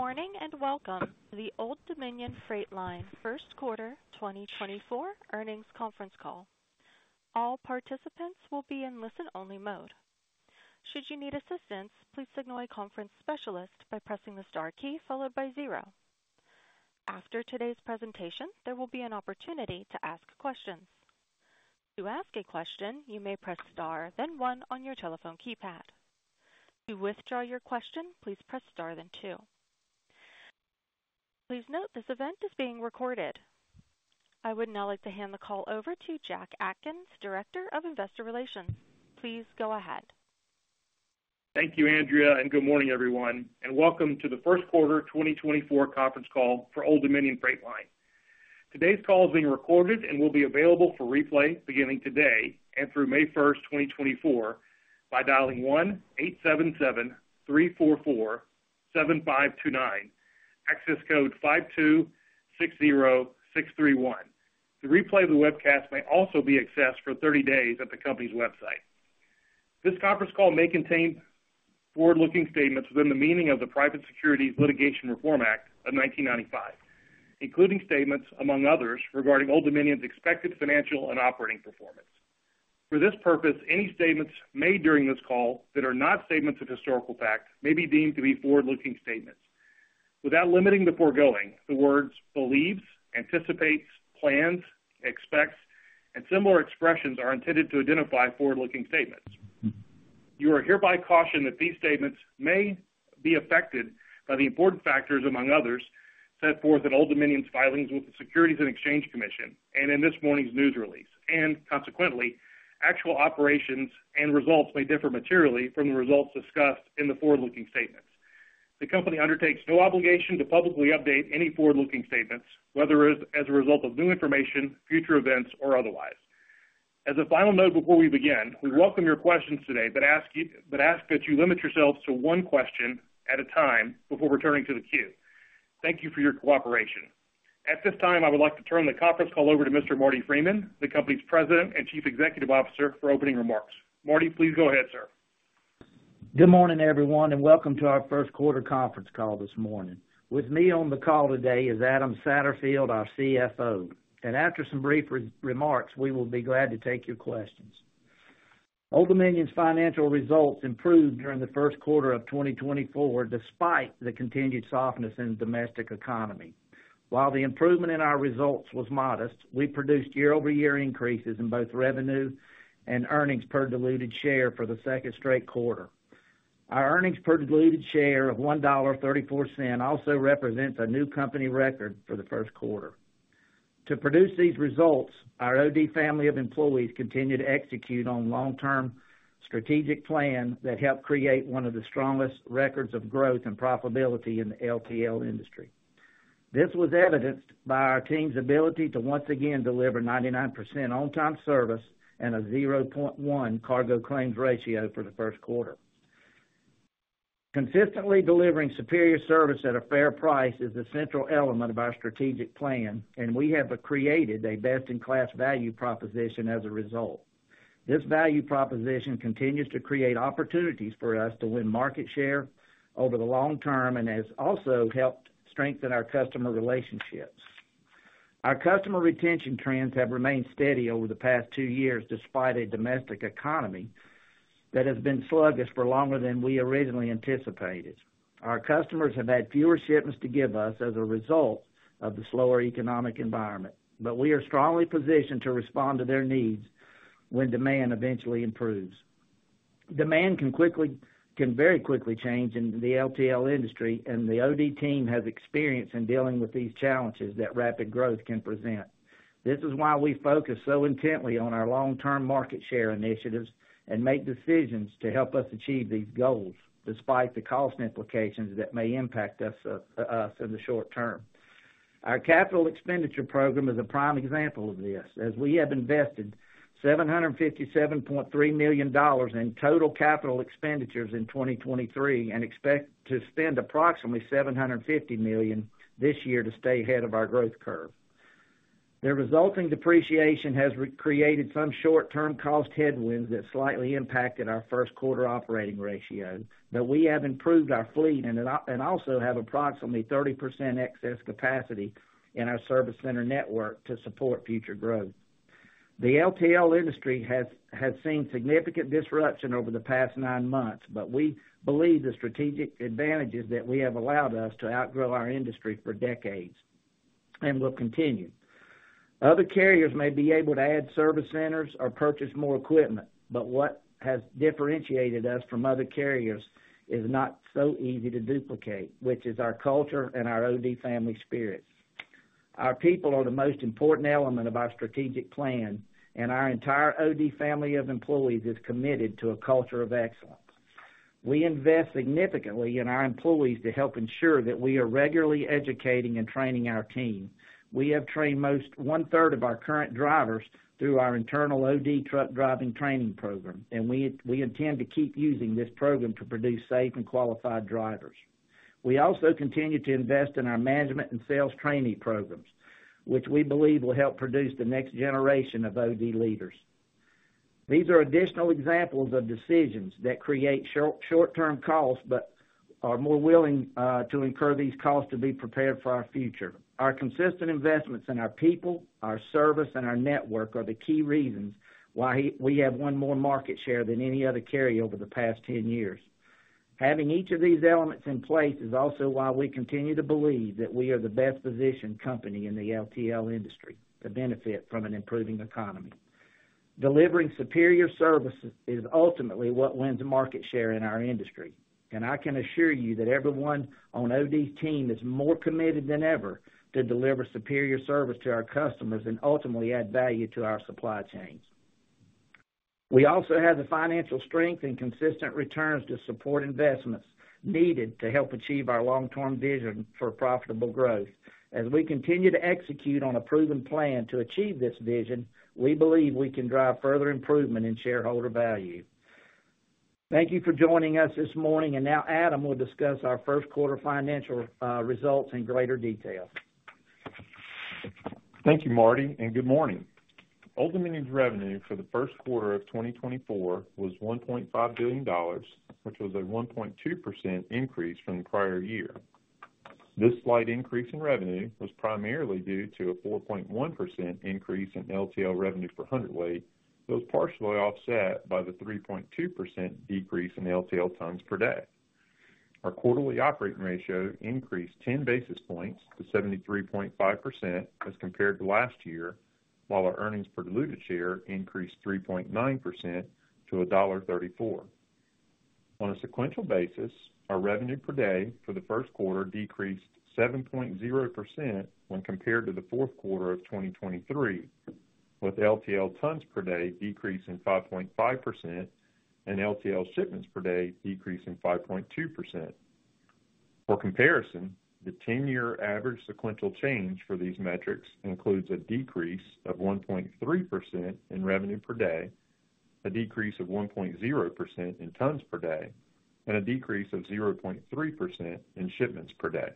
Good morning and welcome to the Old Dominion Freight Line First Quarter 2024 Earnings Conference Call. All participants will be in listen-only mode. Should you need assistance, please signal a conference specialist by pressing the star key followed by 0. After today's presentation, there will be an opportunity to ask questions. To ask a question, you may press star then 1 on your telephone keypad. To withdraw your question, please press star then 2. Please note this event is being recorded. I would now like to hand the call over to Jack Atkins, Director of Investor Relations. Please go ahead. Thank you, Andrea, and good morning, everyone, and welcome to the first quarter 2024 conference call for Old Dominion Freight Line. Today's call is being recorded and will be available for replay beginning today and through May 1, 2024, by dialing 1-877-344-7529, access code 5260631. The replay of the webcast may also be accessed for 30 days at the company's website. This conference call may contain forward-looking statements within the meaning of the Private Securities Litigation Reform Act of 1995, including statements, among others, regarding Old Dominion's expected financial and operating performance. For this purpose, any statements made during this call that are not statements of historical fact may be deemed to be forward-looking statements. Without limiting the foregoing, the words "believes," "anticipates," "plans," "expects," and similar expressions are intended to identify forward-looking statements. You are hereby cautioned that these statements may be affected by the important factors, among others, set forth in Old Dominion's filings with the Securities and Exchange Commission and in this morning's news release, and consequently, actual operations and results may differ materially from the results discussed in the forward-looking statements. The company undertakes no obligation to publicly update any forward-looking statements, whether it is as a result of new information, future events, or otherwise. As a final note before we begin, we welcome your questions today but ask that you limit yourselves to one question at a time before returning to the queue. Thank you for your cooperation. At this time, I would like to turn the conference call over to Mr. Marty Freeman, the company's President and Chief Executive Officer, for opening remarks. Marty, please go ahead, sir. Good morning, everyone, and welcome to our first quarter conference call this morning. With me on the call today is Adam Satterfield, our CFO, and after some brief remarks, we will be glad to take your questions. Old Dominion's financial results improved during the first quarter of 2024 despite the continued softness in the domestic economy. While the improvement in our results was modest, we produced year-over-year increases in both revenue and earnings per diluted share for the second straight quarter. Our earnings per diluted share of $1.34 also represents a new company record for the first quarter. To produce these results, our OD family of employees continued to execute on a long-term strategic plan that helped create one of the strongest records of growth and profitability in the LTL industry. This was evidenced by our team's ability to once again deliver 99% on-time service and a 0.1% cargo claims ratio for the first quarter. Consistently delivering superior service at a fair price is a central element of our strategic plan, and we have created a best-in-class value proposition as a result. This value proposition continues to create opportunities for us to win market share over the long term and has also helped strengthen our customer relationships. Our customer retention trends have remained steady over the past two years despite a domestic economy that has been sluggish for longer than we originally anticipated. Our customers have had fewer shipments to give us as a result of the slower economic environment, but we are strongly positioned to respond to their needs when demand eventually improves. Demand can very quickly change in the LTL industry, and the OD team has experience in dealing with these challenges that rapid growth can present. This is why we focus so intently on our long-term market share initiatives and make decisions to help us achieve these goals despite the cost implications that may impact us in the short term. Our capital expenditure program is a prime example of this, as we have invested $757.3 million in total capital expenditures in 2023 and expect to spend approximately $750 million this year to stay ahead of our growth curve. The resulting depreciation has created some short-term cost headwinds that slightly impacted our first quarter operating ratio, but we have improved our fleet and also have approximately 30% excess capacity in our service center network to support future growth. The LTL industry has seen significant disruption over the past nine months, but we believe the strategic advantages that we have allowed us to outgrow our industry for decades and will continue. Other carriers may be able to add service centers or purchase more equipment, but what has differentiated us from other carriers is not so easy to duplicate, which is our culture and our OD family spirit. Our people are the most important element of our strategic plan, and our entire OD family of employees is committed to a culture of excellence. We invest significantly in our employees to help ensure that we are regularly educating and training our team. We have trained one-third of our current drivers through our internal OD truck driving training program, and we intend to keep using this program to produce safe and qualified drivers. We also continue to invest in our management and sales training programs, which we believe will help produce the next generation of OD leaders. These are additional examples of decisions that create short-term costs but are more willing to incur these costs to be prepared for our future. Our consistent investments in our people, our service, and our network are the key reasons why we have won more market share than any other carrier over the past 10 years. Having each of these elements in place is also why we continue to believe that we are the best-positioned company in the LTL industry to benefit from an improving economy. Delivering superior service is ultimately what wins market share in our industry, and I can assure you that everyone on OD's team is more committed than ever to deliver superior service to our customers and ultimately add value to our supply chains. We also have the financial strength and consistent returns to support investments needed to help achieve our long-term vision for profitable growth. As we continue to execute on a proven plan to achieve this vision, we believe we can drive further improvement in shareholder value. Thank you for joining us this morning, and now Adam will discuss our first quarter financial results in greater detail. Thank you, Marty, and good morning. Old Dominion's revenue for the first quarter of 2024 was $1.5 billion, which was a 1.2% increase from the prior year. This slight increase in revenue was primarily due to a 4.1% increase in LTL revenue per hundredweight, though it was partially offset by the 3.2% decrease in LTL tons per day. Our quarterly operating ratio increased 10 basis points to 73.5% as compared to last year, while our earnings per diluted share increased 3.9% to $1.34. On a sequential basis, our revenue per day for the first quarter decreased 7.0% when compared to the fourth quarter of 2023, with LTL tons per day decreasing 5.5% and LTL shipments per day decreasing 5.2%. For comparison, the 10-year average sequential change for these metrics includes a decrease of 1.3% in revenue per day, a decrease of 1.0% in tons per day, and a decrease of 0.3% in shipments per day.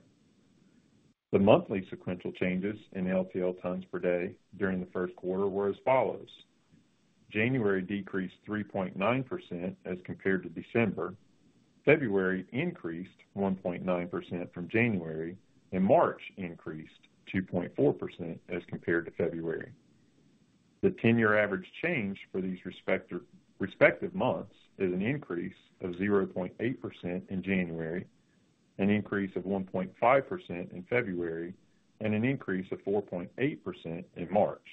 The monthly sequential changes in LTL tons per day during the first quarter were as follows: January decreased 3.9% as compared to December, February increased 1.9% from January, and March increased 2.4% as compared to February. The 10-year average change for these respective months is an increase of 0.8% in January, an increase of 1.5% in February, and an increase of 4.8% in March.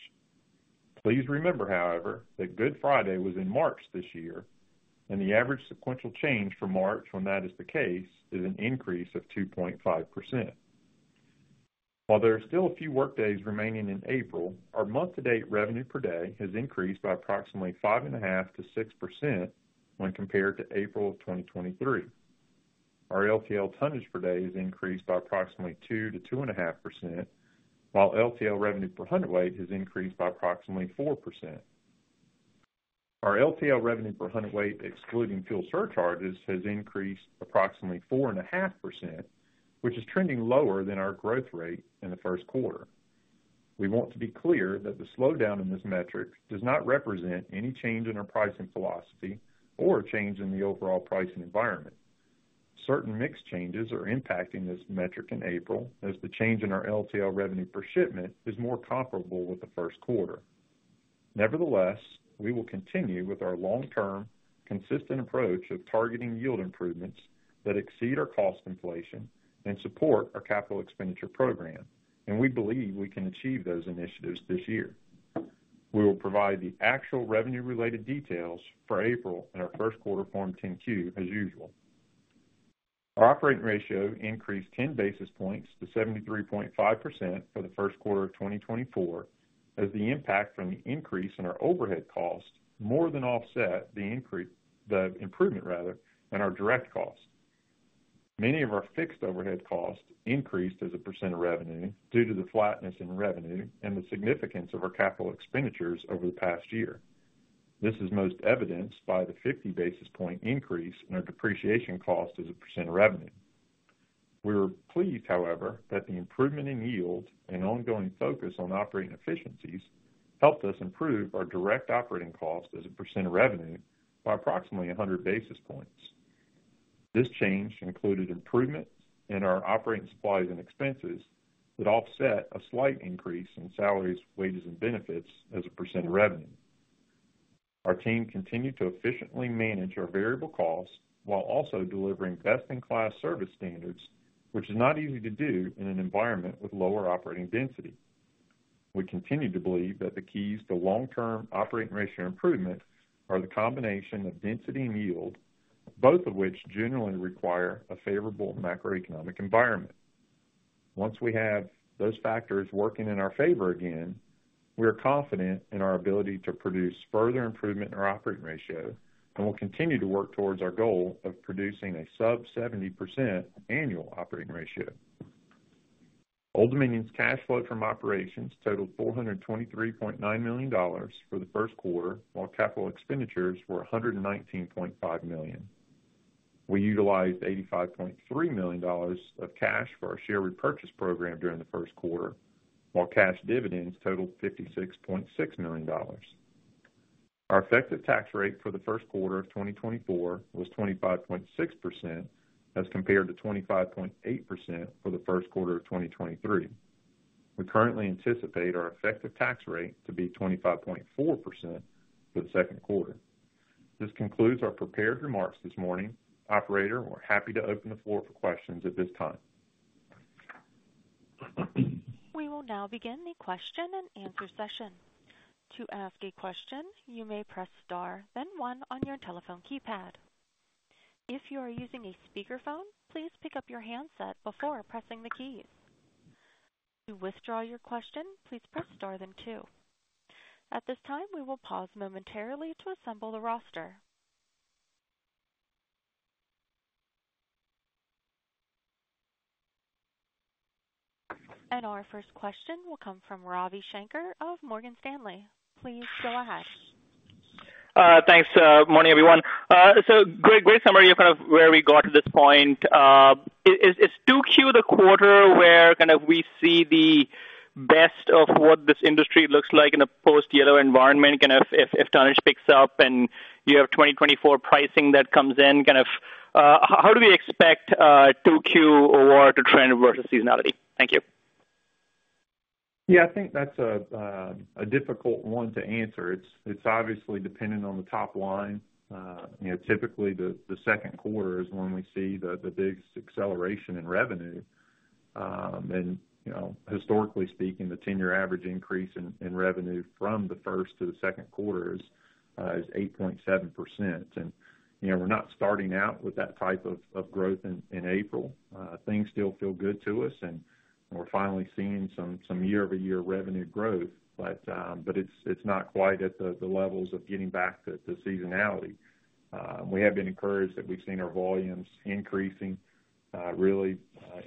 Please remember, however, that Good Friday was in March this year, and the average sequential change for March when that is the case is an increase of 2.5%. While there are still a few workdays remaining in April, our month-to-date revenue per day has increased by approximately 5.5%-6% when compared to April of 2023. Our LTL tonnage per day has increased by approximately 2%-2.5%, while LTL revenue per hundredweight has increased by approximately 4%. Our LTL revenue per hundredweight excluding fuel surcharges has increased approximately 4.5%, which is trending lower than our growth rate in the first quarter. We want to be clear that the slowdown in this metric does not represent any change in our pricing philosophy or a change in the overall pricing environment. Certain mix changes are impacting this metric in April, as the change in our LTL revenue per shipment is more comparable with the first quarter. Nevertheless, we will continue with our long-term, consistent approach of targeting yield improvements that exceed our cost inflation and support our capital expenditure program, and we believe we can achieve those initiatives this year. We will provide the actual revenue-related details for April in our first quarter Form 10-Q as usual. Our operating ratio increased 10 basis points to 73.5% for the first quarter of 2024, as the impact from the increase in our overhead costs more than offset the improvement in our direct costs. Many of our fixed overhead costs increased as a percent of revenue due to the flatness in revenue and the significance of our capital expenditures over the past year. This is most evidenced by the 50 basis point increase in our depreciation costs as a percent of revenue. We were pleased, however, that the improvement in yield and ongoing focus on operating efficiencies helped us improve our direct operating costs as a percent of revenue by approximately 100 basis points. This change included improvements in our operating supplies and expenses that offset a slight increase in salaries, wages, and benefits as a percent of revenue. Our team continued to efficiently manage our variable costs while also delivering best-in-class service standards, which is not easy to do in an environment with lower operating density. We continue to believe that the keys to long-term operating ratio improvement are the combination of density and yield, both of which generally require a favorable macroeconomic environment. Once we have those factors working in our favor again, we are confident in our ability to produce further improvement in our operating ratio and will continue to work towards our goal of producing a sub-70% annual operating ratio. Old Dominion's cash flow from operations totaled $423.9 million for the first quarter, while capital expenditures were $119.5 million. We utilized $85.3 million of cash for our share repurchase program during the first quarter, while cash dividends totaled $56.6 million. Our effective tax rate for the first quarter of 2024 was 25.6% as compared to 25.8% for the first quarter of 2023. We currently anticipate our effective tax rate to be 25.4% for the second quarter. This concludes our prepared remarks this morning. Operator, we're happy to open the floor for questions at this time. We will now begin the question and answer session. To ask a question, you may press star, then one, on your telephone keypad. If you are using a speakerphone, please pick up your handset before pressing the keys. To withdraw your question, please press star, then two. At this time, we will pause momentarily to assemble the roster. Our first question will come from Ravi Shanker of Morgan Stanley. Please go ahead. Thanks, morning, everyone. So great summary of kind of where we got to this point. Is 2Q the quarter where kind of we see the best of what this industry looks like in a post-yellow environment, kind of if tonnage picks up and you have 2024 pricing that comes in? Kind of how do we expect 2Q 2024 to trend versus seasonality? Thank you. Yeah, I think that's a difficult one to answer. It's obviously dependent on the top line. Typically, the second quarter is when we see the biggest acceleration in revenue. And historically speaking, the 10-year average increase in revenue from the first to the second quarter is 8.7%. And we're not starting out with that type of growth in April. Things still feel good to us, and we're finally seeing some year-over-year revenue growth, but it's not quite at the levels of getting back to seasonality. We have been encouraged that we've seen our volumes increasing really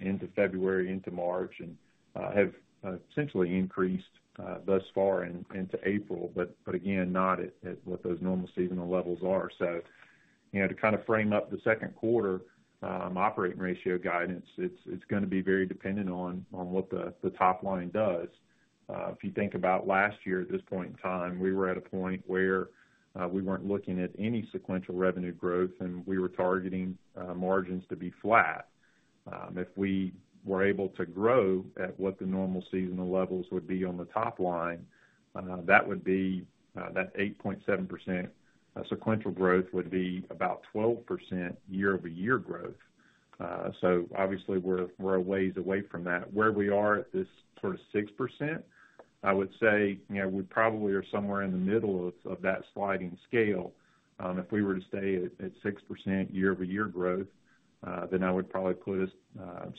into February, into March, and have essentially increased thus far into April, but again, not at what those normal seasonal levels are. So to kind of frame up the second quarter operating ratio guidance, it's going to be very dependent on what the top line does. If you think about last year at this point in time, we were at a point where we weren't looking at any sequential revenue growth, and we were targeting margins to be flat. If we were able to grow at what the normal seasonal levels would be on the top line, that would be that 8.7% sequential growth would be about 12% year-over-year growth. So obviously, we're a ways away from that. Where we are at this sort of 6%, I would say we probably are somewhere in the middle of that sliding scale. If we were to stay at 6% year-over-year growth, then I would probably put us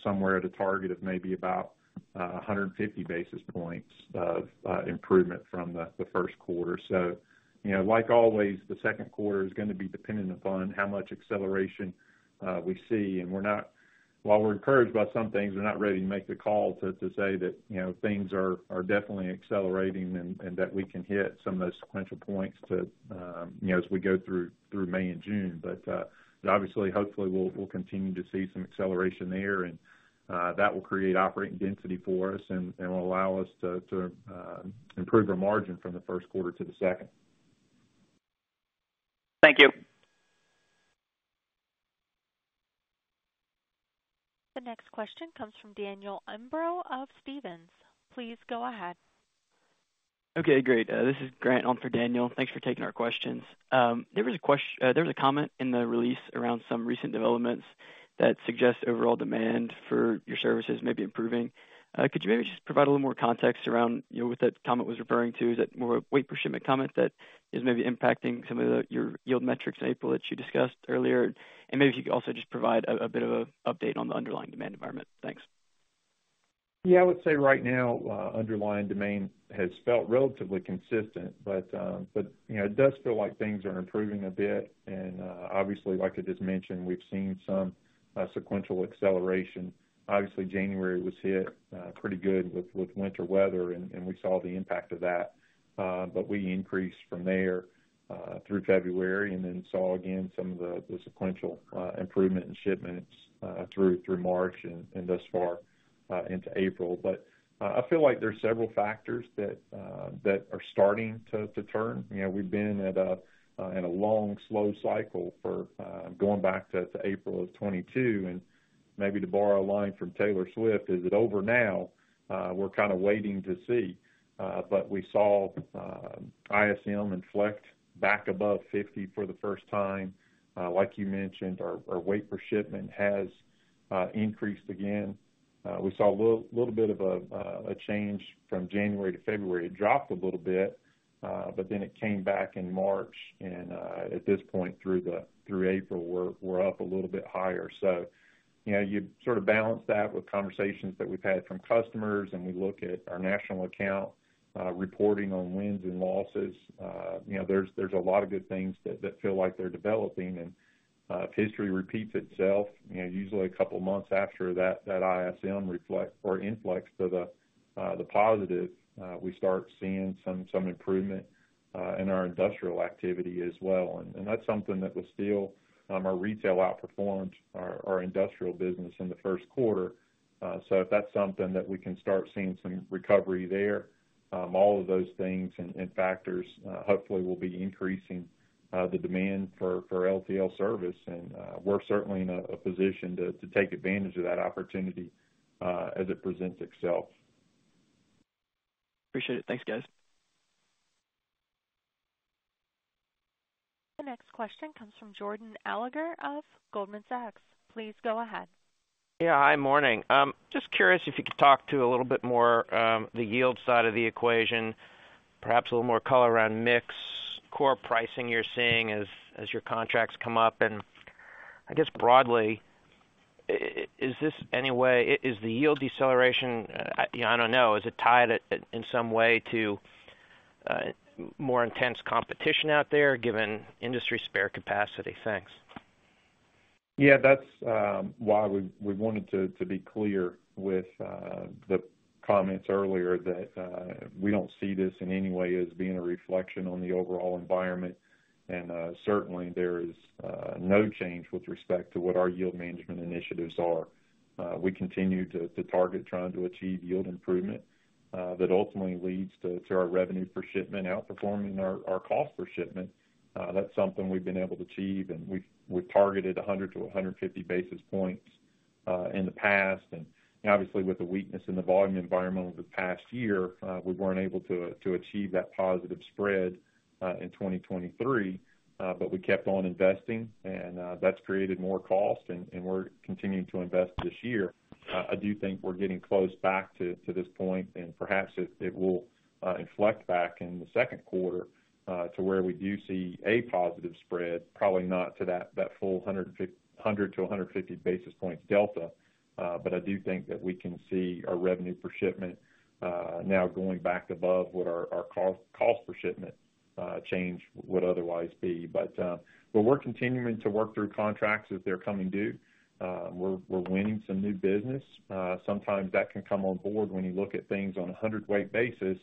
somewhere at a target of maybe about 150 basis points of improvement from the first quarter. So like always, the second quarter is going to be dependent upon how much acceleration we see. While we're encouraged by some things, we're not ready to make the call to say that things are definitely accelerating and that we can hit some of those sequential points as we go through May and June. Obviously, hopefully, we'll continue to see some acceleration there, and that will create operating density for us and will allow us to improve our margin from the first quarter to the second. Thank you. The next question comes from Daniel Imbro of Stephens. Please go ahead. Okay, great. This is Grant Alm for Daniel. Thanks for taking our questions. There was a comment in the release around some recent developments that suggest overall demand for your services may be improving. Could you maybe just provide a little more context around what that comment was referring to? Is that more a weight per shipment comment that is maybe impacting some of your yield metrics in April that you discussed earlier? And maybe if you could also just provide a bit of an update on the underlying demand environment. Thanks. Yeah, I would say right now, underlying demand has felt relatively consistent, but it does feel like things are improving a bit. Obviously, like I just mentioned, we've seen some sequential acceleration. Obviously, January was hit pretty good with winter weather, and we saw the impact of that. But we increased from there through February and then saw again some of the sequential improvement in shipments through March and thus far into April. But I feel like there's several factors that are starting to turn. We've been in a long, slow cycle going back to April of 2022. And maybe to borrow a line from Taylor Swift, is it over now? We're kind of waiting to see. But we saw ISM and freight back above 50 for the first time. Like you mentioned, our weight per shipment has increased again. We saw a little bit of a change from January to February. It dropped a little bit, but then it came back in March. And at this point through April, we're up a little bit higher. So you sort of balance that with conversations that we've had from customers, and we look at our national account reporting on wins and losses. There's a lot of good things that feel like they're developing. And if history repeats itself, usually a couple of months after that ISM or index to the positive, we start seeing some improvement in our industrial activity as well. And that's something that was still our retail outperformed our industrial business in the first quarter. So if that's something that we can start seeing some recovery there, all of those things and factors hopefully will be increasing the demand for LTL service. We're certainly in a position to take advantage of that opportunity as it presents itself. Appreciate it. Thanks, guys. The next question comes from Jordan Alliger of Goldman Sachs. Please go ahead. Yeah, hi. Morning. Just curious if you could talk to a little bit more the yield side of the equation, perhaps a little more color around mix core pricing you're seeing as your contracts come up. And I guess broadly, is this anyway is the yield deceleration I don't know. Is it tied in some way to more intense competition out there given industry spare capacity? Thanks. Yeah, that's why we wanted to be clear with the comments earlier that we don't see this in any way as being a reflection on the overall environment. And certainly, there is no change with respect to what our yield management initiatives are. We continue to target trying to achieve yield improvement that ultimately leads to our revenue per shipment outperforming our cost per shipment. That's something we've been able to achieve. And we've targeted 100-150 basis points in the past. And obviously, with the weakness in the volume environment over the past year, we weren't able to achieve that positive spread in 2023. But we kept on investing, and that's created more cost, and we're continuing to invest this year. I do think we're getting close back to this point, and perhaps it will inflect back in the second quarter to where we do see a positive spread, probably not to that full 100-150 basis points delta. But I do think that we can see our revenue per shipment now going back above what our cost per shipment change would otherwise be. But we're continuing to work through contracts as they're coming due. We're winning some new business. Sometimes that can come on board when you look at things on a hundredweight basis.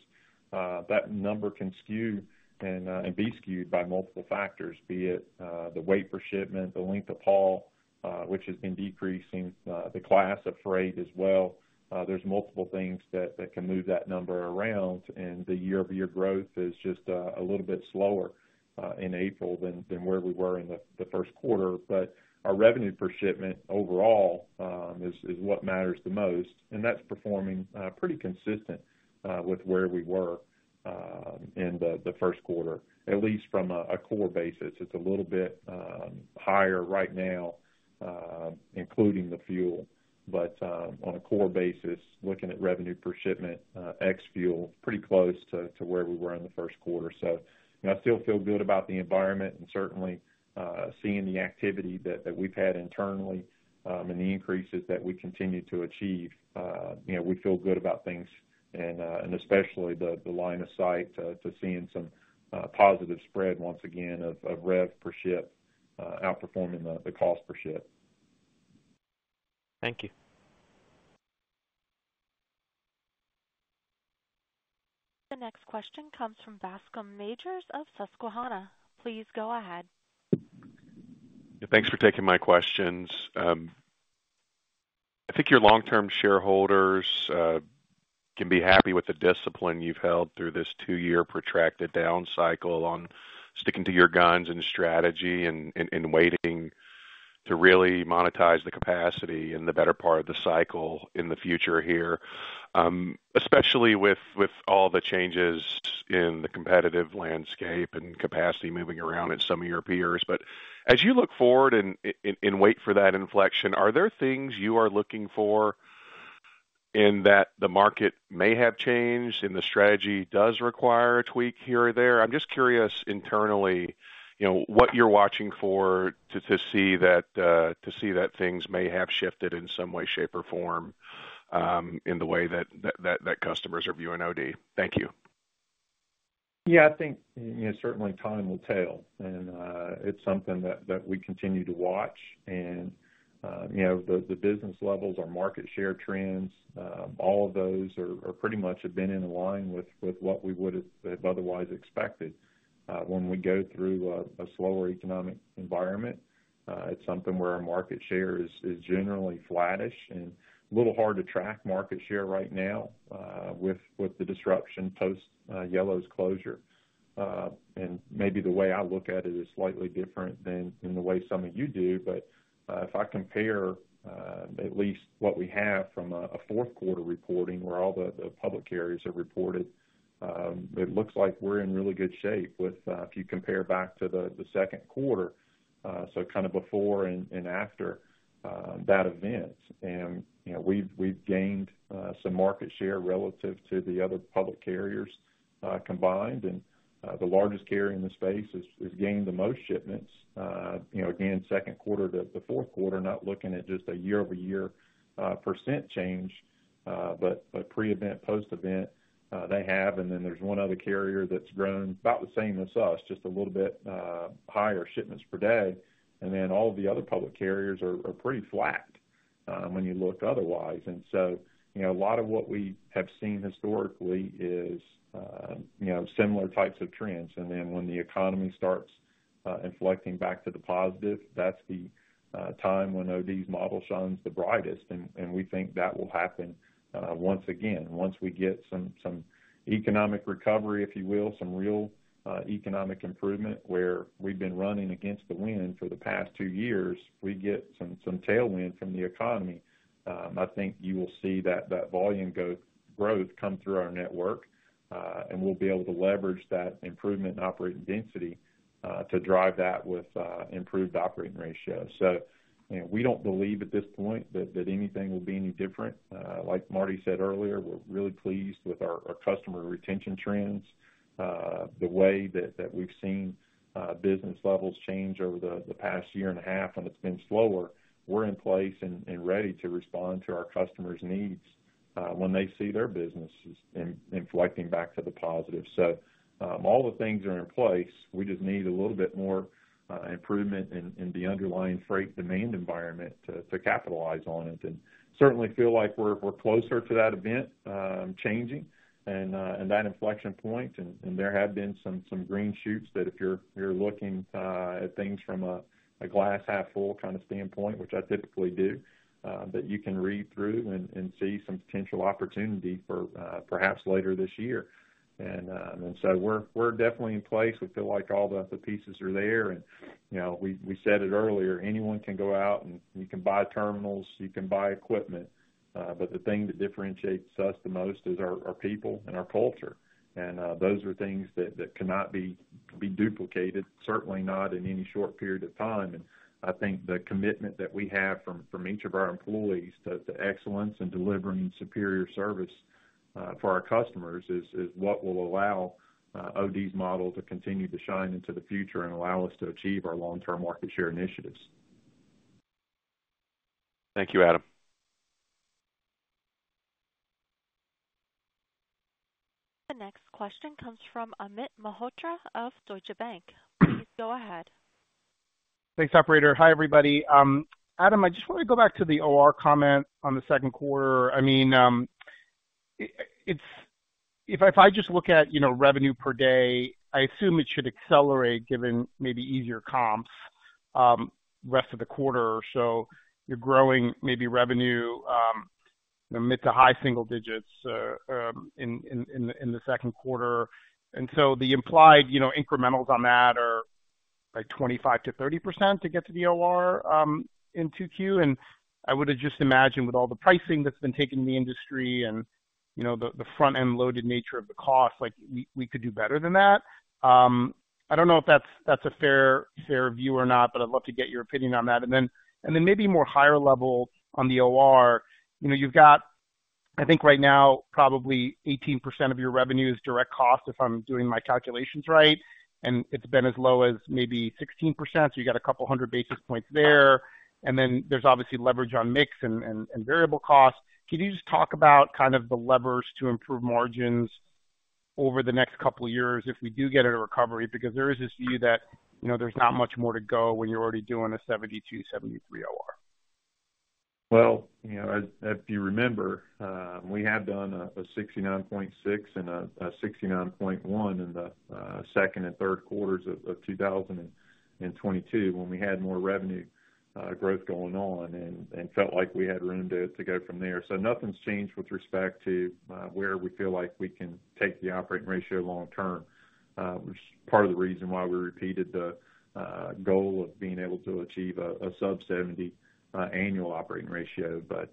That number can skew and be skewed by multiple factors, be it the weight per shipment, the length of haul, which has been decreasing, the class of freight as well. There's multiple things that can move that number around. The year-over-year growth is just a little bit slower in April than where we were in the first quarter. But our revenue per shipment overall is what matters the most, and that's performing pretty consistent with where we were in the first quarter, at least from a core basis. It's a little bit higher right now, including the fuel. But on a core basis, looking at revenue per shipment ex-fuel, pretty close to where we were in the first quarter. So I still feel good about the environment and certainly seeing the activity that we've had internally and the increases that we continue to achieve. We feel good about things, and especially the line of sight to seeing some positive spread once again of revenue per ship outperforming the cost per ship. Thank you. The next question comes from Bascome Majors of Susquehanna. Please go ahead. Thanks for taking my questions. I think your long-term shareholders can be happy with the discipline you've held through this two-year protracted down cycle on sticking to your guns and strategy and waiting to really monetize the capacity in the better part of the cycle in the future here, especially with all the changes in the competitive landscape and capacity moving around at some of your peers. But as you look forward and wait for that inflection, are there things you are looking for in that the market may have changed and the strategy does require a tweak here or there? I'm just curious internally what you're watching for to see that things may have shifted in some way, shape, or form in the way that customers are viewing OD. Thank you. Yeah, I think certainly time will tell. It's something that we continue to watch. The business levels, our market share trends, all of those pretty much have been in line with what we would have otherwise expected when we go through a slower economic environment. It's something where our market share is generally flattish and a little hard to track market share right now with the disruption post-Yellow's closure. Maybe the way I look at it is slightly different than the way some of you do. But if I compare at least what we have from a fourth quarter reporting where all the public carriers have reported, it looks like we're in really good shape if you compare back to the second quarter, so kind of before and after that event. We've gained some market share relative to the other public carriers combined. And the largest carrier in the space has gained the most shipments, again, second quarter to the fourth quarter, not looking at just a year-over-year percent change, but pre-event, post-event, they have. And then there's one other carrier that's grown about the same as us, just a little bit higher shipments per day. And then all of the other public carriers are pretty flat when you look otherwise. And so a lot of what we have seen historically is similar types of trends. And then when the economy starts inflecting back to the positive, that's the time when OD's model shines the brightest. And we think that will happen once again. Once we get some economic recovery, if you will, some real economic improvement where we've been running against the wind for the past two years, we get some tailwind from the economy. I think you will see that volume growth come through our network, and we'll be able to leverage that improvement in operating density to drive that with improved operating ratio. So we don't believe at this point that anything will be any different. Like Marty said earlier, we're really pleased with our customer retention trends. The way that we've seen business levels change over the past year and a half, and it's been slower, we're in place and ready to respond to our customers' needs when they see their businesses inflecting back to the positive. So all the things are in place. We just need a little bit more improvement in the underlying freight demand environment to capitalize on it and certainly feel like we're closer to that event changing and that inflection point. There have been some green shoots that if you're looking at things from a glass half-full kind of standpoint, which I typically do, that you can read through and see some potential opportunity for perhaps later this year. So we're definitely in place. We feel like all the pieces are there. We said it earlier, anyone can go out and you can buy terminals, you can buy equipment. But the thing that differentiates us the most is our people and our culture. Those are things that cannot be duplicated, certainly not in any short period of time. I think the commitment that we have from each of our employees to excellence and delivering superior service for our customers is what will allow OD's model to continue to shine into the future and allow us to achieve our long-term market share initiatives. Thank you, Adam. The next question comes from Amit Mehrotra of Deutsche Bank. Please go ahead. Thanks, operator. Hi, everybody. Adam, I just want to go back to the OR comment on the second quarter. I mean, if I just look at revenue per day, I assume it should accelerate given maybe easier comps rest of the quarter. So you're growing maybe revenue mid to high single digits in the second quarter. And so the implied incrementals on that are like 25%-30% to get to the OR in 2Q. And I would have just imagined with all the pricing that's been taken in the industry and the front-end loaded nature of the cost, we could do better than that. I don't know if that's a fair view or not, but I'd love to get your opinion on that. And then maybe more higher level on the OR, you've got, I think right now, probably 18% of your revenue is direct cost if I'm doing my calculations right. And it's been as low as maybe 16%. So you've got a couple hundred basis points there. And then there's obviously leverage on mix and variable cost. Can you just talk about kind of the levers to improve margins over the next couple of years if we do get a recovery? Because there is this view that there's not much more to go when you're already doing a 72%-73% OR. Well, if you remember, we had done a 69.6% and a 69.1% in the second and third quarters of 2022 when we had more revenue growth going on and felt like we had room to go from there. So nothing's changed with respect to where we feel like we can take the operating ratio long term, which is part of the reason why we repeated the goal of being able to achieve a sub-70% annual operating ratio. But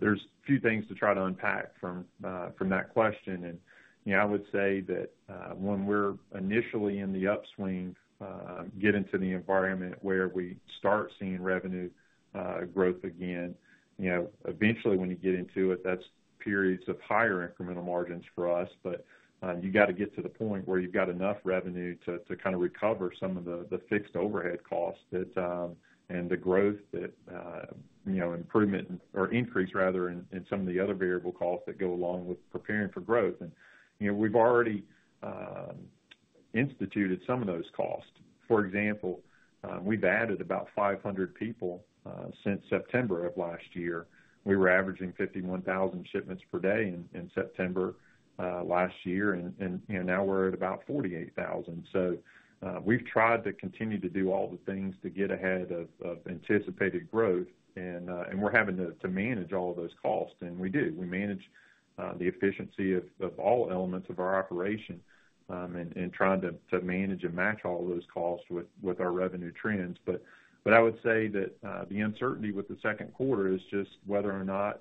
there's a few things to try to unpack from that question. And I would say that when we're initially in the upswing, get into the environment where we start seeing revenue growth again. Eventually, when you get into it, that's periods of higher incremental margins for us. But you got to get to the point where you've got enough revenue to kind of recover some of the fixed overhead costs and the growth, improvement, or increase rather in some of the other variable costs that go along with preparing for growth. And we've already instituted some of those costs. For example, we've added about 500 people since September of last year. We were averaging 51,000 shipments per day in September last year. And now we're at about 48,000. So we've tried to continue to do all the things to get ahead of anticipated growth. And we're having to manage all of those costs. And we do. We manage the efficiency of all elements of our operation and trying to manage and match all of those costs with our revenue trends. But I would say that the uncertainty with the second quarter is just whether or not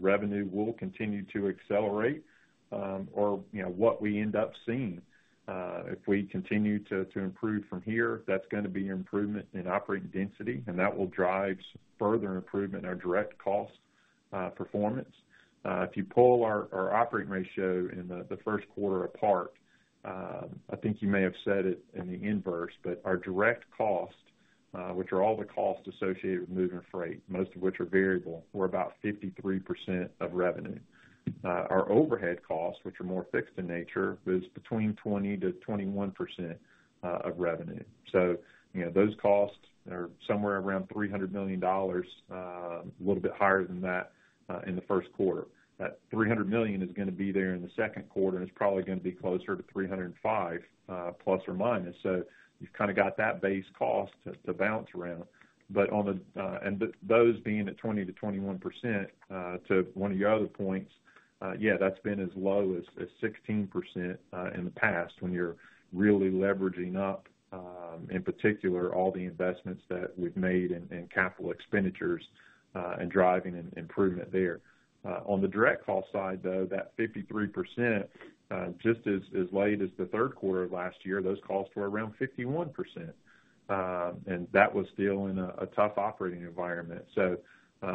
revenue will continue to accelerate or what we end up seeing. If we continue to improve from here, that's going to be improvement in operating density. And that will drive further improvement in our direct cost performance. If you pull our operating ratio in the first quarter apart, I think you may have said it in the inverse, but our direct cost, which are all the costs associated with moving freight, most of which are variable, we're about 53% of revenue. Our overhead costs, which are more fixed in nature, is between 20%-21% of revenue. So those costs are somewhere around $300 million, a little bit higher than that in the first quarter. That $300 million is going to be there in the second quarter, and it's probably going to be closer to $305 million ±. So you've kind of got that base cost to bounce around. And those being at 20%-21%, to one of your other points, yeah, that's been as low as 16% in the past when you're really leveraging up, in particular, all the investments that we've made in capital expenditures and driving improvement there. On the direct cost side, though, that 53%, just as late as the third quarter of last year, those costs were around 51%. And that was still in a tough operating environment. So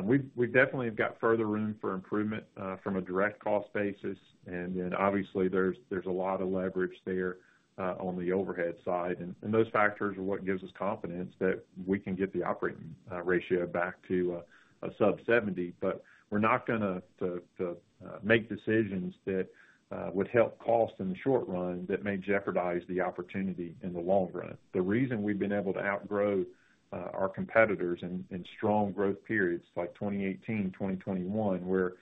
we definitely have got further room for improvement from a direct cost basis. And then, obviously, there's a lot of leverage there on the overhead side. And those factors are what gives us confidence that we can get the operating ratio back to a sub-70%. But we're not going to. To make decisions that would help cost in the short run that may jeopardize the opportunity in the long run. The reason we've been able to outgrow our competitors in strong growth periods like 2018, 2021, where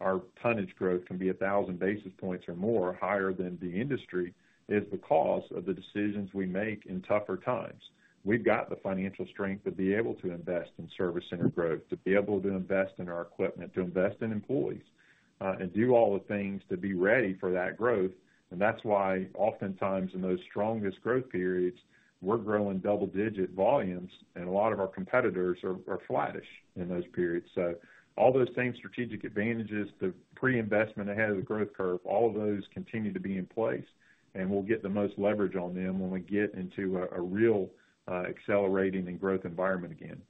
our tonnage growth can be 1,000 basis points or more, higher than the industry, is because of the decisions we make in tougher times. We've got the financial strength to be able to invest in service center growth, to be able to invest in our equipment, to invest in employees, and do all the things to be ready for that growth. And that's why oftentimes in those strongest growth periods, we're growing double-digit volumes. And a lot of our competitors are flattish in those periods. All those same strategic advantages, the pre-investment ahead of the growth curve, all of those continue to be in place. We'll get the most leverage on them when we get into a real accelerating and growth environment again.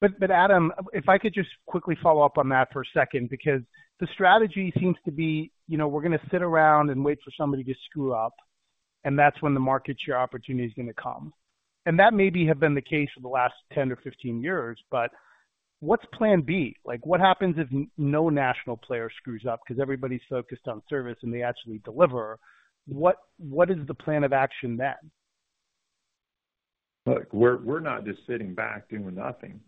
But Adam, if I could just quickly follow up on that for a second, because the strategy seems to be we're going to sit around and wait for somebody to screw up, and that's when the market share opportunity is going to come. And that maybe have been the case for the last 10 or 15 years. But what's plan B? What happens if no national player screws up because everybody's focused on service and they actually deliver? What is the plan of action then? Look, we're not just sitting back doing nothing.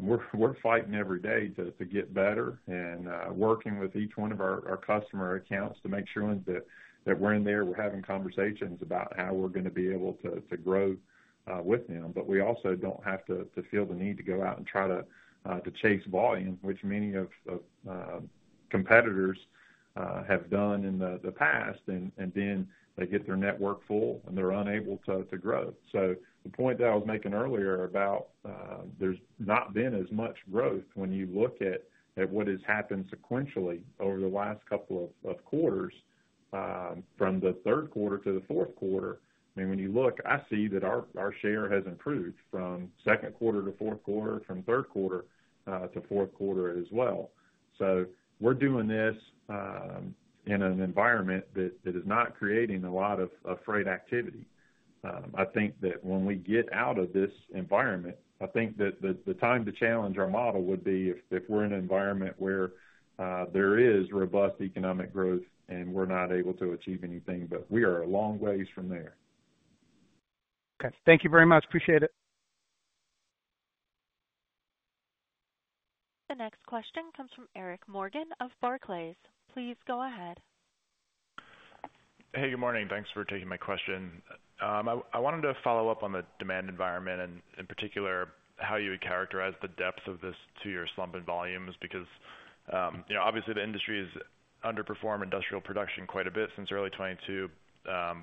We're fighting every day to get better and working with each one of our customer accounts to make sure that we're in there. We're having conversations about how we're going to be able to grow with them. But we also don't have to feel the need to go out and try to chase volume, which many of competitors have done in the past. And then they get their network full, and they're unable to grow. So the point that I was making earlier about there's not been as much growth when you look at what has happened sequentially over the last couple of quarters from the third quarter to the fourth quarter. I mean, when you look, I see that our share has improved from second quarter to fourth quarter, from third quarter to fourth quarter as well. So we're doing this in an environment that is not creating a lot of freight activity. I think that when we get out of this environment, I think that the time to challenge our model would be if we're in an environment where there is robust economic growth and we're not able to achieve anything, but we are a long ways from there. Okay. Thank you very much. Appreciate it. The next question comes from Eric Morgan of Barclays. Please go ahead. Hey, good morning. Thanks for taking my question. I wanted to follow up on the demand environment and, in particular, how you would characterize the depth of this to your slump in volumes because, obviously, the industry has underperformed industrial production quite a bit since early 2022.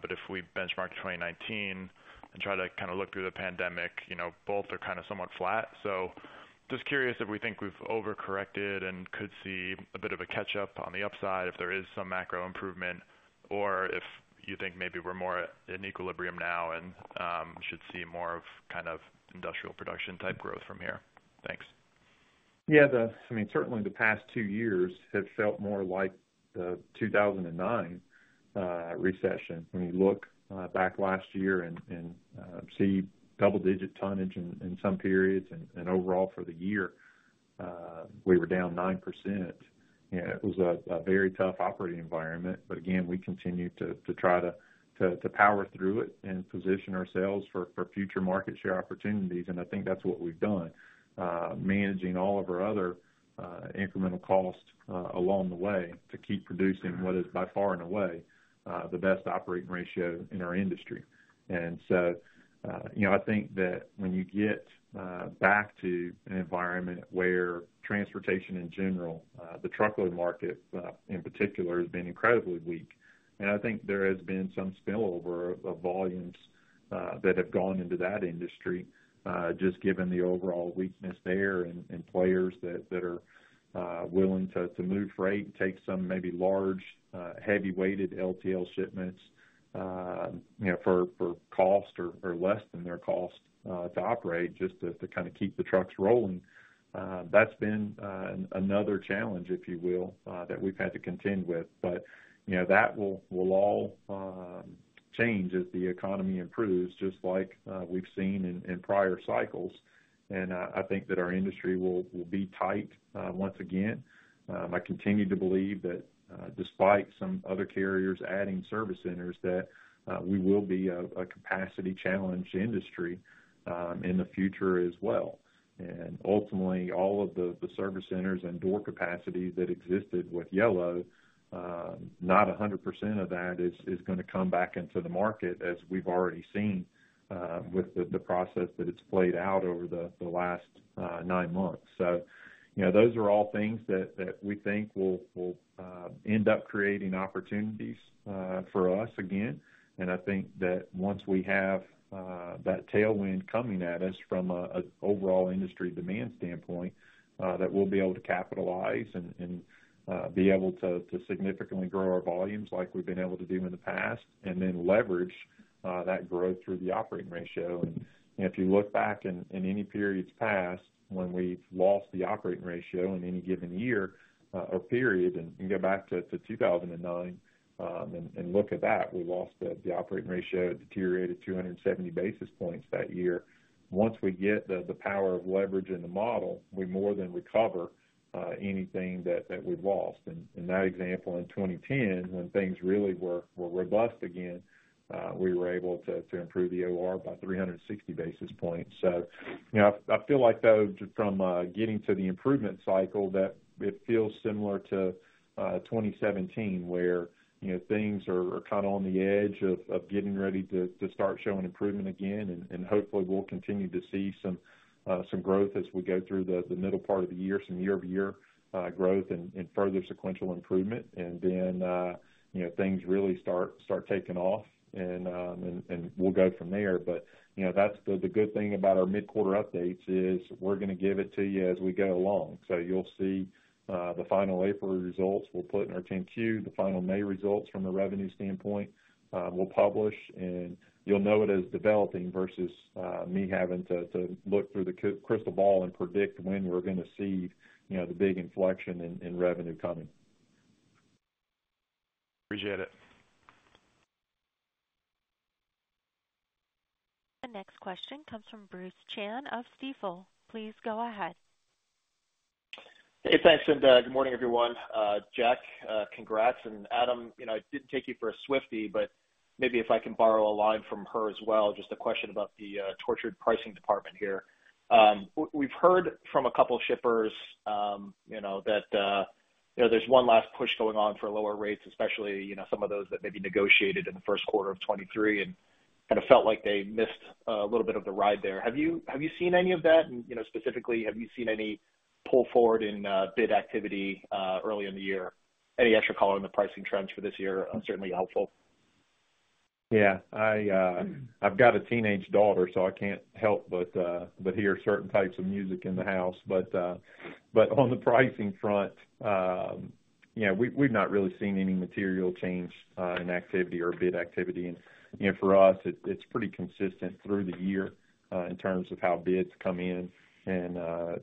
But if we benchmark 2019 and try to kind of look through the pandemic, both are kind of somewhat flat. So just curious if we think we've overcorrected and could see a bit of a catch-up on the upside, if there is some macro improvement, or if you think maybe we're more in equilibrium now and should see more of kind of industrial production-type growth from here? Thanks. Yeah. I mean, certainly, the past two years have felt more like the 2009 recession. When you look back last year and see double-digit tonnage in some periods and overall for the year, we were down 9%. It was a very tough operating environment. But again, we continue to try to power through it and position ourselves for future market share opportunities. And I think that's what we've done, managing all of our other incremental costs along the way to keep producing what is by far and away the best operating ratio in our industry. So I think that when you get back to an environment where transportation in general, the truckload market in particular, has been incredibly weak, and I think there has been some spillover of volumes that have gone into that industry just given the overall weakness there and players that are willing to move freight, take some maybe large, heavyweight LTL shipments for cost or less than their cost to operate just to kind of keep the trucks rolling. That's been another challenge, if you will, that we've had to contend with. That will all change as the economy improves, just like we've seen in prior cycles. I think that our industry will be tight once again. I continue to believe that despite some other carriers adding service centers, that we will be a capacity-challenged industry in the future as well. And ultimately, all of the service centers and door capacity that existed with Yellow, not 100% of that is going to come back into the market as we've already seen with the process that it's played out over the last nine months. So those are all things that we think will end up creating opportunities for us again. And I think that once we have that tailwind coming at us from an overall industry demand standpoint, that we'll be able to capitalize and be able to significantly grow our volumes like we've been able to do in the past and then leverage that growth through the operating ratio. And if you look back in any periods past when we've lost the operating ratio in any given year or period and go back to 2009 and look at that, we lost the operating ratio, deteriorated 270 basis points that year. Once we get the power of leverage in the model, we more than recover anything that we've lost. In that example, in 2010, when things really were robust again, we were able to improve the OR by 360 basis points. So I feel like, though, from getting to the improvement cycle, that it feels similar to 2017 where things are kind of on the edge of getting ready to start showing improvement again. And hopefully, we'll continue to see some growth as we go through the middle part of the year, some year-over-year growth and further sequential improvement. And then things really start taking off, and we'll go from there. But that's the good thing about our mid-quarter updates is we're going to give it to you as we go along. So you'll see the final April results. We'll put in our 10-Q, the final May results from a revenue standpoint. We'll publish, and you'll know it as developing versus me having to look through the crystal ball and predict when we're going to see the big inflection in revenue coming. Appreciate it. The next question comes from Bruce Chan of Stifel. Please go ahead. Hey, thanks. And good morning, everyone. Jack, congrats. And Adam, I didn't take you for a Swiftie, but maybe if I can borrow a line from her as well, just a question about the tortured pricing department here. We've heard from a couple of shippers that there's one last push going on for lower rates, especially some of those that maybe negotiated in the first quarter of 2023 and kind of felt like they missed a little bit of the ride there. Have you seen any of that? And specifically, have you seen any pull forward in bid activity early in the year? Any extra color on the pricing trends for this year? Certainly helpful. Yeah. I've got a teenage daughter, so I can't help but hear certain types of music in the house. But on the pricing front, we've not really seen any material change in activity or bid activity. And for us, it's pretty consistent through the year in terms of how bids come in. And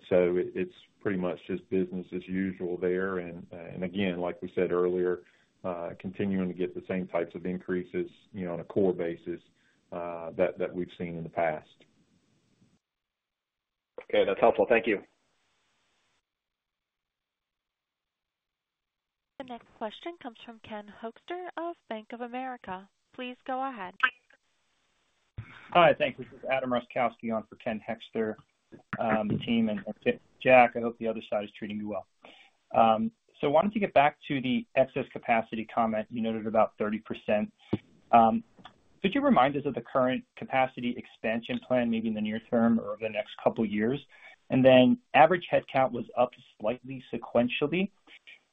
so it's pretty much just business as usual there. And again, like we said earlier, continuing to get the same types of increases on a core basis that we've seen in the past. Okay. That's helpful. Thank you. The next question comes from Ken Hoexter of Bank of America. Please go ahead. Hi. Thanks. This is Adam Roszkowski on for Ken Hoexter, the team. And Jack, I hope the other side is treating you well. So I wanted to get back to the excess capacity comment. You noted about 30%. Could you remind us of the current capacity expansion plan, maybe in the near term or over the next couple of years? And then average headcount was up slightly sequentially.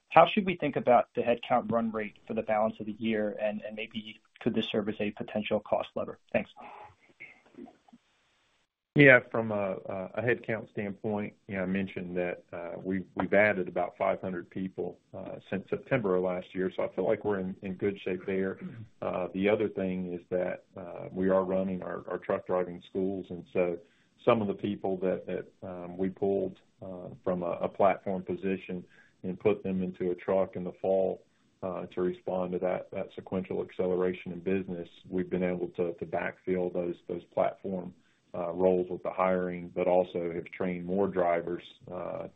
How should we think about the headcount run rate for the balance of the year? And maybe could this serve as a potential cost lever? Thanks. Yeah. From a headcount standpoint, I mentioned that we've added about 500 people since September of last year. So I feel like we're in good shape there. The other thing is that we are running our truck-driving schools. And so some of the people that we pulled from a platform position and put them into a truck in the fall to respond to that sequential acceleration in business, we've been able to backfill those platform roles with the hiring, but also have trained more drivers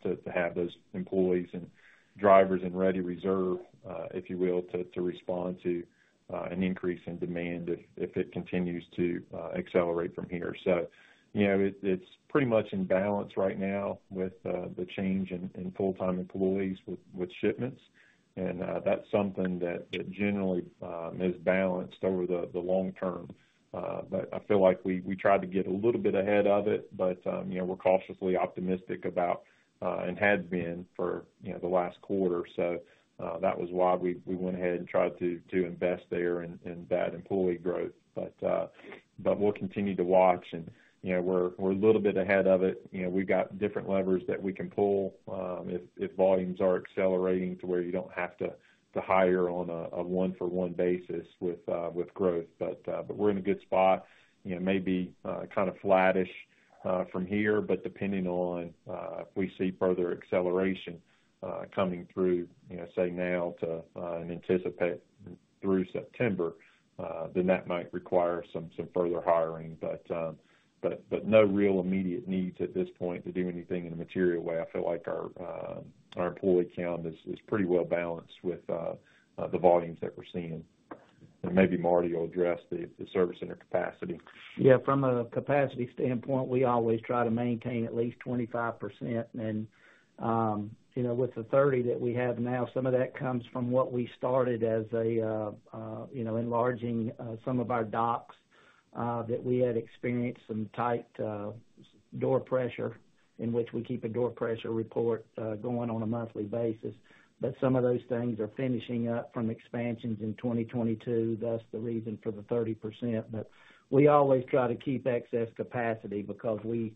to have those employees and drivers in ready reserve, if you will, to respond to an increase in demand if it continues to accelerate from here. So it's pretty much in balance right now with the change in full-time employees with shipments. And that's something that generally is balanced over the long term. But I feel like we tried to get a little bit ahead of it, but we're cautiously optimistic about it and had been for the last quarter. So that was why we went ahead and tried to invest there in that employee growth. But we'll continue to watch. And we're a little bit ahead of it. We've got different levers that we can pull if volumes are accelerating to where you don't have to hire on a 1:1 basis with growth. But we're in a good spot, maybe kind of flattish from here. But depending on if we see further acceleration coming through, say, now to and anticipate through September, then that might require some further hiring. But no real immediate needs at this point to do anything in a material way. I feel like our employee count is pretty well balanced with the volumes that we're seeing. Maybe Marty will address the service center capacity. Yeah. From a capacity standpoint, we always try to maintain at least 25%. And with the 30% that we have now, some of that comes from what we started as enlarging some of our docks that we had experienced some tight door pressure in which we keep a door pressure report going on a monthly basis. But some of those things are finishing up from expansions in 2022, thus the reason for the 30%. But we always try to keep excess capacity because we're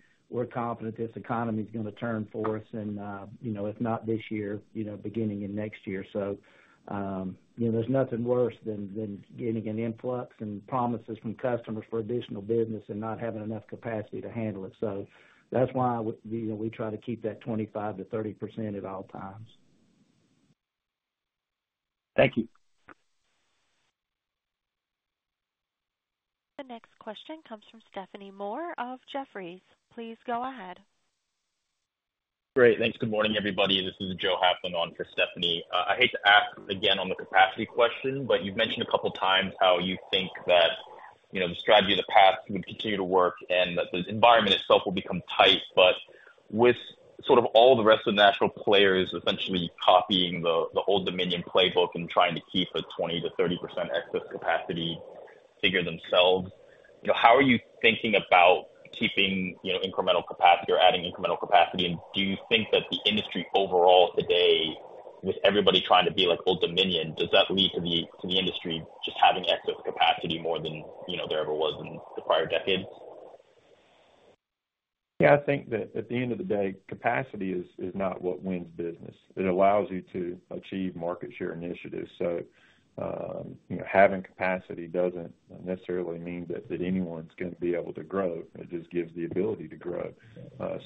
confident this economy is going to turn for us, if not this year, beginning in next year. So there's nothing worse than getting an influx and promises from customers for additional business and not having enough capacity to handle it. So that's why we try to keep that 25%-30% at all times. Thank you. The next question comes from Stephanie Moore of Jefferies. Please go ahead. Great. Thanks. Good morning, everybody. This is Joe Hafling on for Stephanie. I hate to ask again on the capacity question, but you've mentioned a couple of times how you think that the strategy of the past would continue to work and that the environment itself will become tight. But with sort of all the rest of the national players essentially copying the Old Dominion playbook and trying to keep a 20%-30% excess capacity figure themselves, how are you thinking about keeping incremental capacity or adding incremental capacity? And do you think that the industry overall today, with everybody trying to be like Old Dominion, does that lead to the industry just having excess capacity more than there ever was in the prior decades? Yeah. I think that at the end of the day, capacity is not what wins business. It allows you to achieve market share initiatives. So having capacity doesn't necessarily mean that anyone's going to be able to grow. It just gives the ability to grow.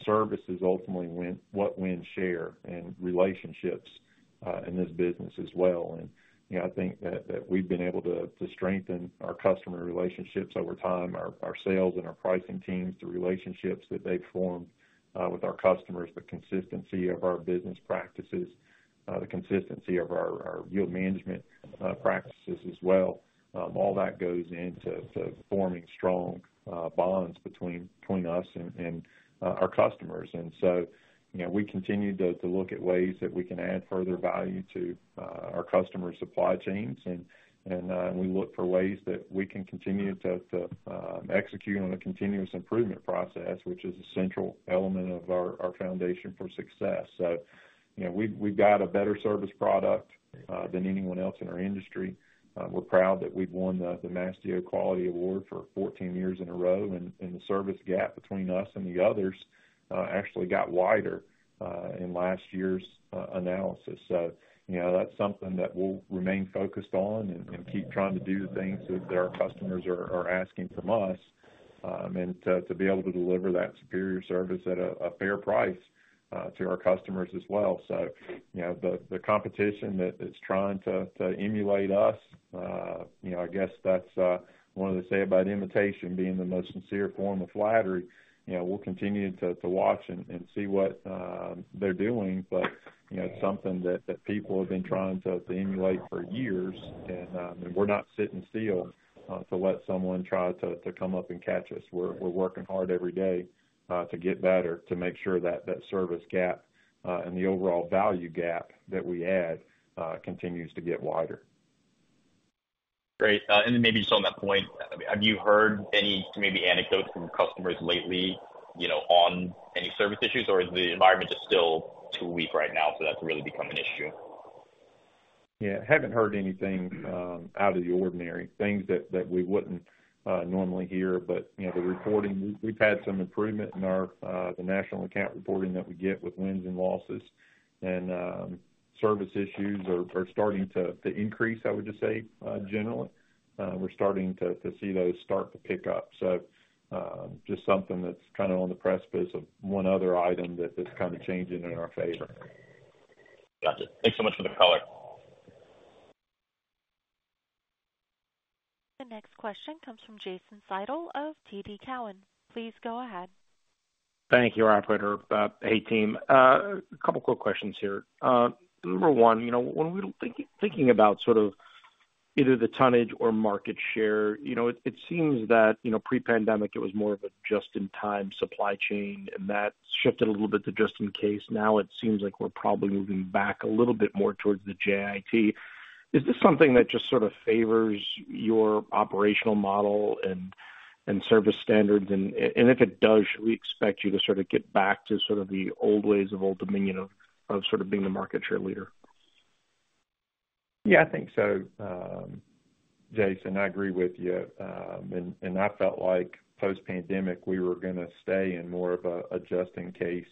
Service is ultimately what wins share and relationships in this business as well. And I think that we've been able to strengthen our customer relationships over time, our sales and our pricing teams, the relationships that they've formed with our customers, the consistency of our business practices, the consistency of our yield management practices as well. All that goes into forming strong bonds between us and our customers. And so we continue to look at ways that we can add further value to our customer supply chains. We look for ways that we can continue to execute on a continuous improvement process, which is a central element of our foundation for success. So we've got a better service product than anyone else in our industry. We're proud that we've won the Mastio Quality Award for 14 years in a row. And the service gap between us and the others actually got wider in last year's analysis. So that's something that we'll remain focused on and keep trying to do the things that our customers are asking from us and to be able to deliver that superior service at a fair price to our customers as well. So the competition that's trying to emulate us, I guess that's one of the sayings about imitation being the most sincere form of flattery. We'll continue to watch and see what they're doing. It's something that people have been trying to emulate for years. We're not sitting still to let someone try to come up and catch us. We're working hard every day to get better, to make sure that service gap and the overall value gap that we add continues to get wider. Great. And then maybe just on that point, have you heard any maybe anecdotes from customers lately on any service issues, or is the environment just still too weak right now for that to really become an issue? Yeah. Haven't heard anything out of the ordinary, things that we wouldn't normally hear. But the reporting, we've had some improvement in the national account reporting that we get with wins and losses. And service issues are starting to increase, I would just say, generally. We're starting to see those start to pick up. So just something that's kind of on the precipice of one other item that's kind of changing in our favor. Got it. Thanks so much for the color. The next question comes from Jason Seidl of TD Cowen. Please go ahead. Thank you, operator 18. A couple of quick questions here. Number one, when we're thinking about sort of either the tonnage or market share, it seems that pre-pandemic, it was more of a just-in-time supply chain, and that shifted a little bit to just in case. Now, it seems like we're probably moving back a little bit more towards the JIT. Is this something that just sort of favors your operational model and service standards? And if it does, should we expect you to sort of get back to sort of the old ways of Old Dominion of sort of being the market share leader? Yeah. I think so, Jason. I agree with you. And I felt like post-pandemic, we were going to stay in more of a just-in-case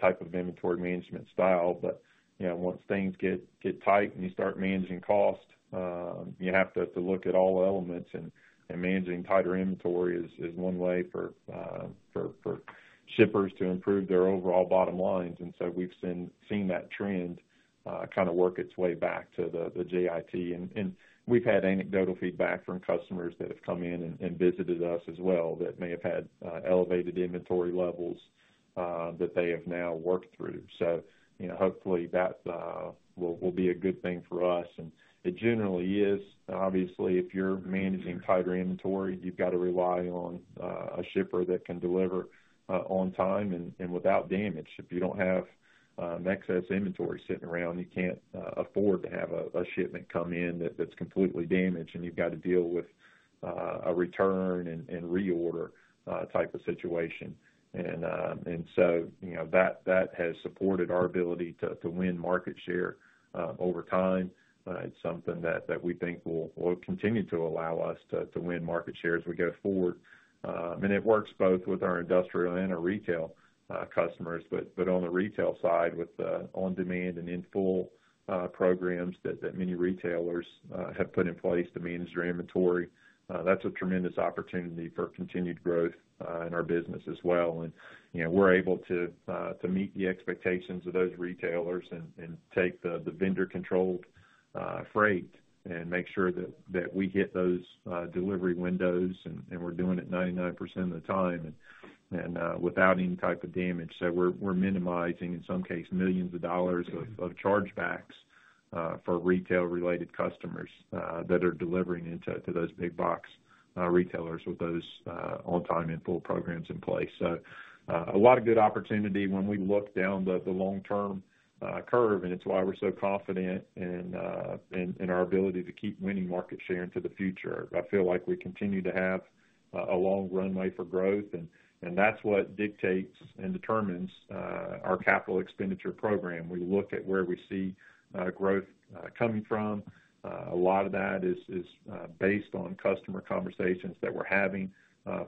type of inventory management style. But once things get tight and you start managing cost, you have to look at all elements. And managing tighter inventory is one way for shippers to improve their overall bottom lines. And so we've seen that trend kind of work its way back to the JIT. And we've had anecdotal feedback from customers that have come in and visited us as well that may have had elevated inventory levels that they have now worked through. So hopefully, that will be a good thing for us. And it generally is. Obviously, if you're managing tighter inventory, you've got to rely on a shipper that can deliver on time and without damage. If you don't have excess inventory sitting around, you can't afford to have a shipment come in that's completely damaged. You've got to deal with a return and reorder type of situation. That has supported our ability to win market share over time. It's something that we think will continue to allow us to win market share as we go forward. It works both with our industrial and our retail customers. But on the retail side, with on-demand and in-full programs that many retailers have put in place to manage their inventory, that's a tremendous opportunity for continued growth in our business as well. We're able to meet the expectations of those retailers and take the vendor-controlled freight and make sure that we hit those delivery windows. We're doing it 99% of the time and without any type of damage. We're minimizing, in some cases, millions of dollars chargebacks for retail-related customers that are delivering into those big-box retailers with those on-time, in-full programs in place. A lot of good opportunity when we look down the long-term curve. It's why we're so confident in our ability to keep winning market share into the future. I feel like we continue to have a long runway for growth. That's what dictates and determines our capital expenditure program. We look at where we see growth coming from. A lot of that is based on customer conversations that we're having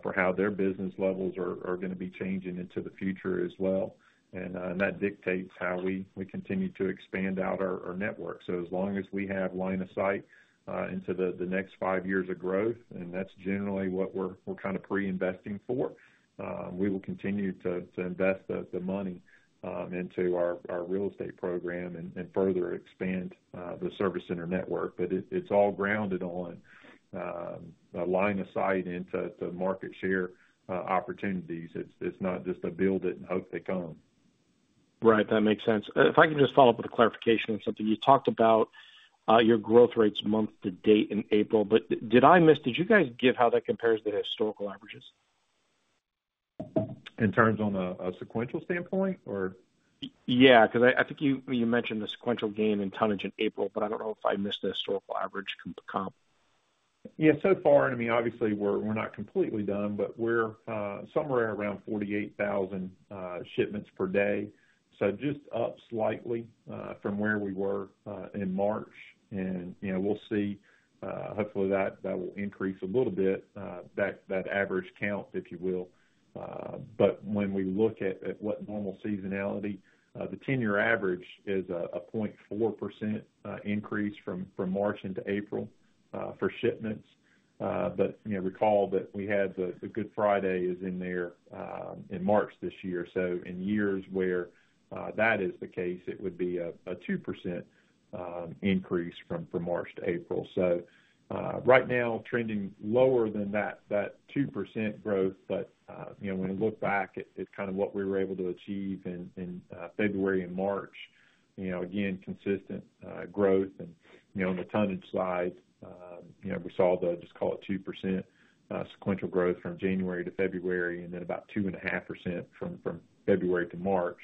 for how their business levels are going to be changing into the future as well. That dictates how we continue to expand out our network. As long as we have line of sight into the next five years of growth, and that's generally what we're kind of pre-investing for, we will continue to invest the money into our real estate program and further expand the service center network. It's all grounded on a line of sight into market share opportunities. It's not just a build it and hope they come. Right. That makes sense. If I can just follow up with a clarification on something. You talked about your growth rates month to date in April. But did I miss did you guys give how that compares to the historical averages? In terms of a sequential standpoint, or? Yeah. Because I think you mentioned the sequential gain in tonnage in April, but I don't know if I missed the historical average comp. Yeah. So far, I mean, obviously, we're not completely done, but we're somewhere around 48,000 shipments per day. So just up slightly from where we were in March. And we'll see. Hopefully, that will increase a little bit, that average count, if you will. But when we look at what normal seasonality, the 10-year average is a 0.4% increase from March into April for shipments. But recall that we had the Good Friday is in there in March this year. So in years where that is the case, it would be a 2% increase from March to April. So right now, trending lower than that 2% growth. But when you look back at kind of what we were able to achieve in February and March, again, consistent growth. On the tonnage side, we saw the, just call it, 2% sequential growth from January to February and then about 2.5% from February to March,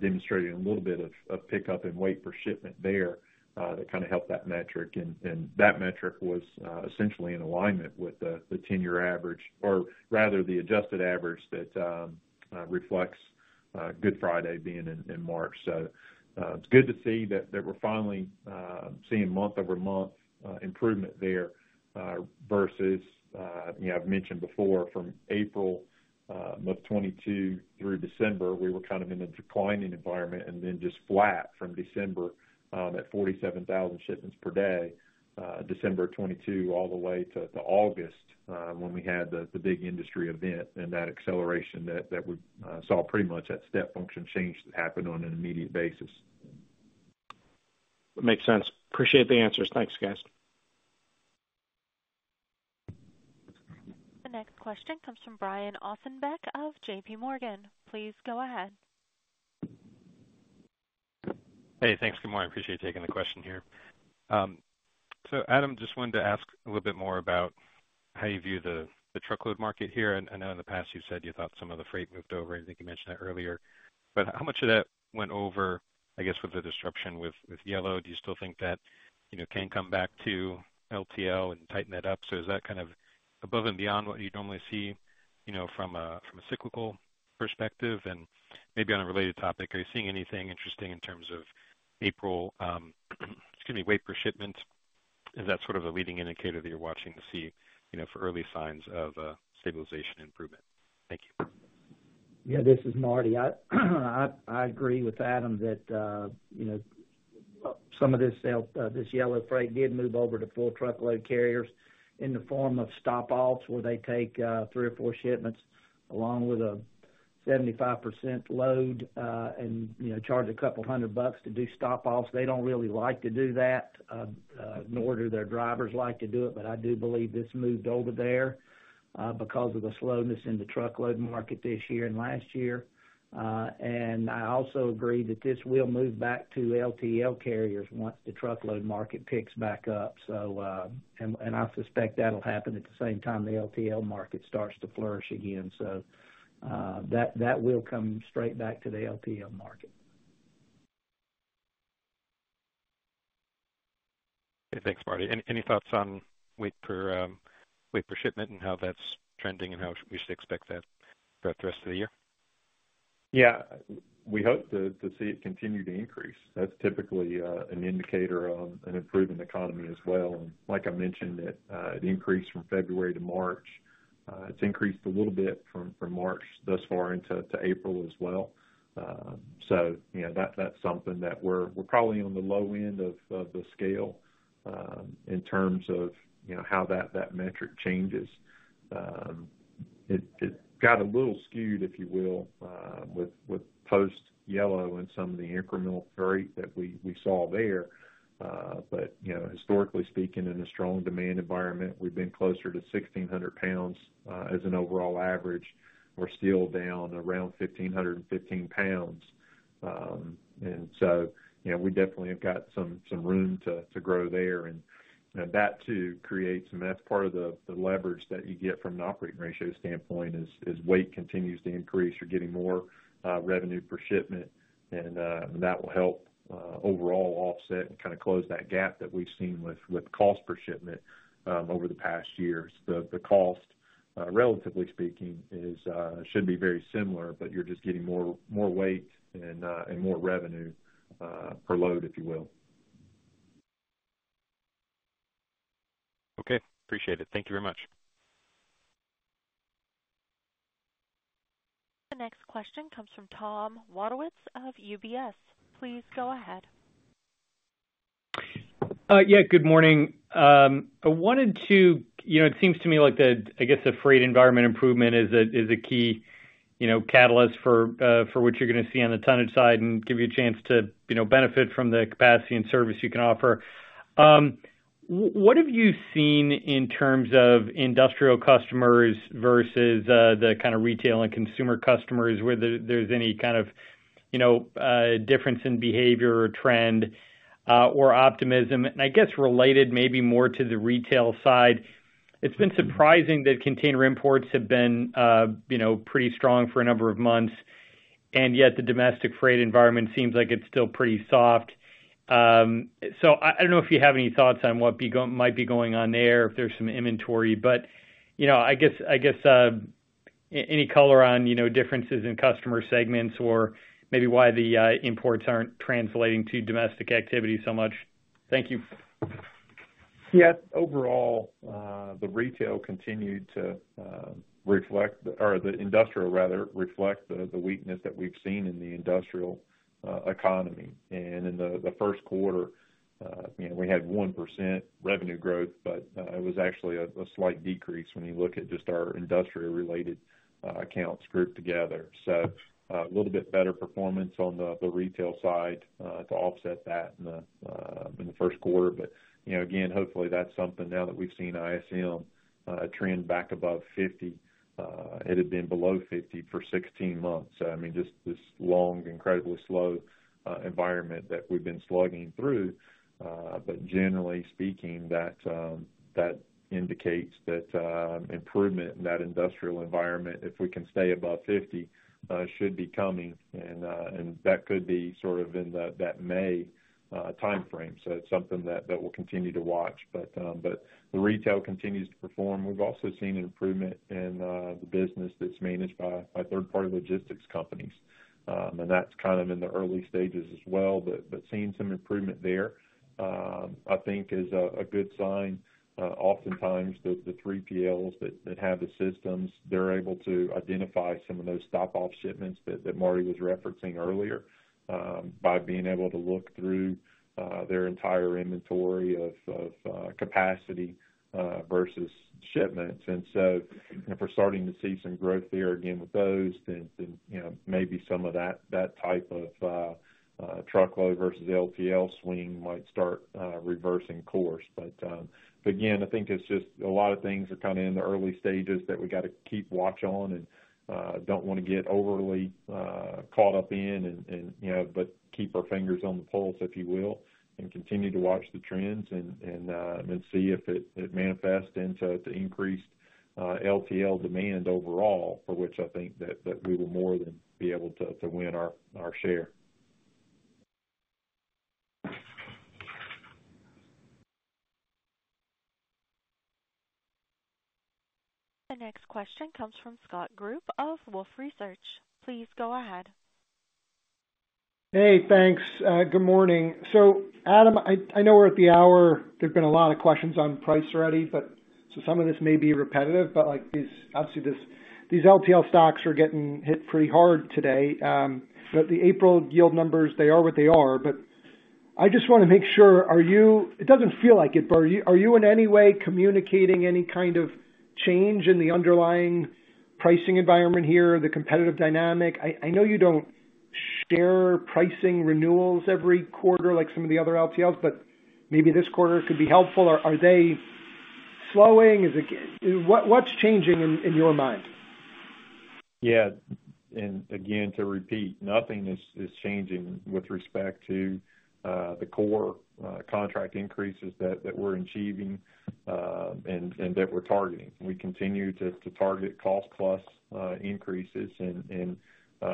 demonstrating a little bit of pickup and weight per shipment there that kind of helped that metric. And that metric was essentially in alignment with the 10-year average or rather, the adjusted average that reflects Good Friday being in March. So it's good to see that we're finally seeing month-over-month improvement there versus, I've mentioned before, from April of 2022 through December, we were kind of in a declining environment and then just flat from December at 47,000 shipments per day, December 2022, all the way to August when we had the big industry event and that acceleration that we saw pretty much that step function change that happened on an immediate basis. That makes sense. Appreciate the answers. Thanks, guys. The next question comes from Brian Ossenbeck of JPMorgan. Please go ahead. Hey. Thanks. Good morning. Appreciate taking the question here. So Adam, just wanted to ask a little bit more about how you view the truckload market here. I know in the past, you've said you thought some of the freight moved over. I think you mentioned that earlier. But how much of that went over, I guess, with the disruption with Yellow? Do you still think that can come back to LTL and tighten that up? So is that kind of above and beyond what you normally see from a cyclical perspective? And maybe on a related topic, are you seeing anything interesting in terms of April, excuse me, weight for shipments? Is that sort of the leading indicator that you're watching to see for early signs of stabilization improvement? Thank you. Yeah. This is Marty. I agree with Adam that some of this Yellow freight did move over to full truckload carriers in the form of stop-offs where they take three or four shipments along with a 75% load and charge a couple hundred bucks to do stop-offs. They don't really like to do that, nor do their drivers like to do it. But I do believe this moved over there because of the slowness in the truckload market this year and last year. And I also agree that this will move back to LTL carriers once the truckload market picks back up. And I suspect that'll happen at the same time the LTL market starts to flourish again. So that will come straight back to the LTL market. Hey. Thanks, Marty. Any thoughts on weight per shipment and how that's trending and how we should expect that throughout the rest of the year? Yeah. We hope to see it continue to increase. That's typically an indicator of an improving economy as well. Like I mentioned, it increased from February to March. It's increased a little bit from March thus far into April as well. So that's something that we're probably on the low end of the scale in terms of how that metric changes. It got a little skewed, if you will, with post-Yellow and some of the incremental freight that we saw there. But historically speaking, in a strong demand environment, we've been closer to 1,600 pounds as an overall average. We're still down around 1,515 pounds. So we definitely have got some room to grow there. That, too, creates some that's part of the leverage that you get from an operating ratio standpoint is weight continues to increase. You're getting more revenue per shipment. That will help overall offset and kind of close that gap that we've seen with cost per shipment over the past years. The cost, relatively speaking, should be very similar, but you're just getting more weight and more revenue per load, if you will. Okay. Appreciate it. Thank you very much. The next question comes from Tom Wadewitz of UBS. Please go ahead. Yeah. Good morning. I wanted to. It seems to me like the, I guess, the freight environment improvement is a key catalyst for what you're going to see on the tonnage side and give you a chance to benefit from the capacity and service you can offer. What have you seen in terms of industrial customers versus the kind of retail and consumer customers where there's any kind of difference in behavior or trend or optimism? And I guess related maybe more to the retail side, it's been surprising that container imports have been pretty strong for a number of months, and yet the domestic freight environment seems like it's still pretty soft. So I don't know if you have any thoughts on what might be going on there, if there's some inventory. But I guess any color on differences in customer segments or maybe why the imports aren't translating to domestic activity so much? Thank you. Yeah. Overall, the retail continued to reflect or the industrial, rather, reflect the weakness that we've seen in the industrial economy. And in the first quarter, we had 1% revenue growth, but it was actually a slight decrease when you look at just our industrial-related accounts grouped together. So a little bit better performance on the retail side to offset that in the first quarter. But again, hopefully, that's something now that we've seen ISM trend back above 50. It had been below 50 for 16 months. So I mean, just this long, incredibly slow environment that we've been slugging through. But generally speaking, that indicates that improvement in that industrial environment, if we can stay above 50, should be coming. And that could be sort of in that May timeframe. So it's something that we'll continue to watch. But the retail continues to perform. We've also seen an improvement in the business that's managed by third-party logistics companies. That's kind of in the early stages as well. Seeing some improvement there, I think, is a good sign. Oftentimes, the 3PLs that have the systems, they're able to identify some of those stop-off shipments that Marty was referencing earlier by being able to look through their entire inventory of capacity versus shipments. So if we're starting to see some growth there again with those, then maybe some of that type of truckload versus LTL swing might start reversing course. But again, I think it's just a lot of things are kind of in the early stages that we got to keep watch on and don't want to get overly caught up in, but keep our fingers on the pulse, if you will, and continue to watch the trends and see if it manifests into increased LTL demand overall, for which I think that we will more than be able to win our share. The next question comes from Scott Group of Wolfe Research. Please go ahead. Hey. Thanks. Good morning. So Adam, I know we're at the hour. There've been a lot of questions on price already. So some of this may be repetitive. But obviously, these LTL stocks are getting hit pretty hard today. But the April yield numbers, they are what they are. But I just want to make sure, are you? It doesn't feel like it, but are you in any way communicating any kind of change in the underlying pricing environment here, the competitive dynamic? I know you don't share pricing renewals every quarter like some of the other LTLs, but maybe this quarter could be helpful. Are they slowing? What's changing in your mind? Yeah. And again, to repeat, nothing is changing with respect to the core contract increases that we're achieving and that we're targeting. We continue to target cost-plus increases, and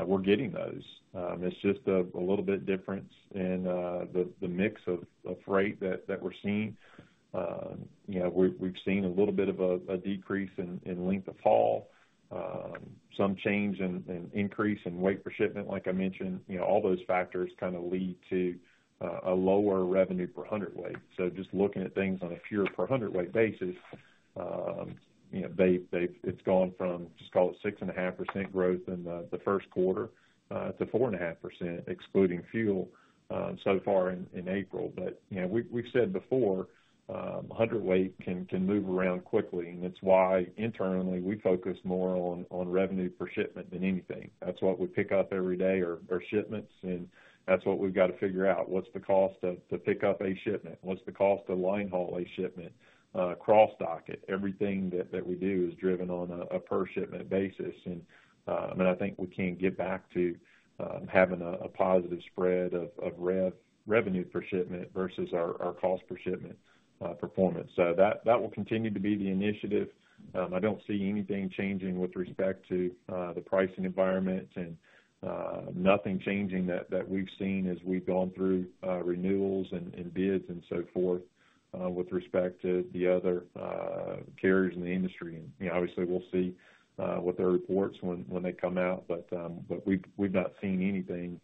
we're getting those. It's just a little bit different in the mix of freight that we're seeing. We've seen a little bit of a decrease in length of haul, some change in increase in weight per shipment, like I mentioned. All those factors kind of lead to a lower revenue per hundredweight. So just looking at things on a revenue-per-hundredweight basis, it's gone from, just call it, 6.5% growth in the first quarter to 4.5% excluding fuel so far in April. But we've said before, hundredweight can move around quickly. And it's why, internally, we focus more on revenue per shipment than anything. That's what we pick up every day, our shipments. And that's what we've got to figure out. What's the cost to pick up a shipment? What's the cost to linehaul a shipment, cross-dock it? Everything that we do is driven on a per-shipment basis. And I mean, I think we can't get back to having a positive spread of revenue per shipment versus our cost-per-shipment performance. So that will continue to be the initiative. I don't see anything changing with respect to the pricing environment. And nothing changing that we've seen as we've gone through renewals and bids and so forth with respect to the other carriers in the industry. And obviously, we'll see what their reports when they come out. But we've not seen anything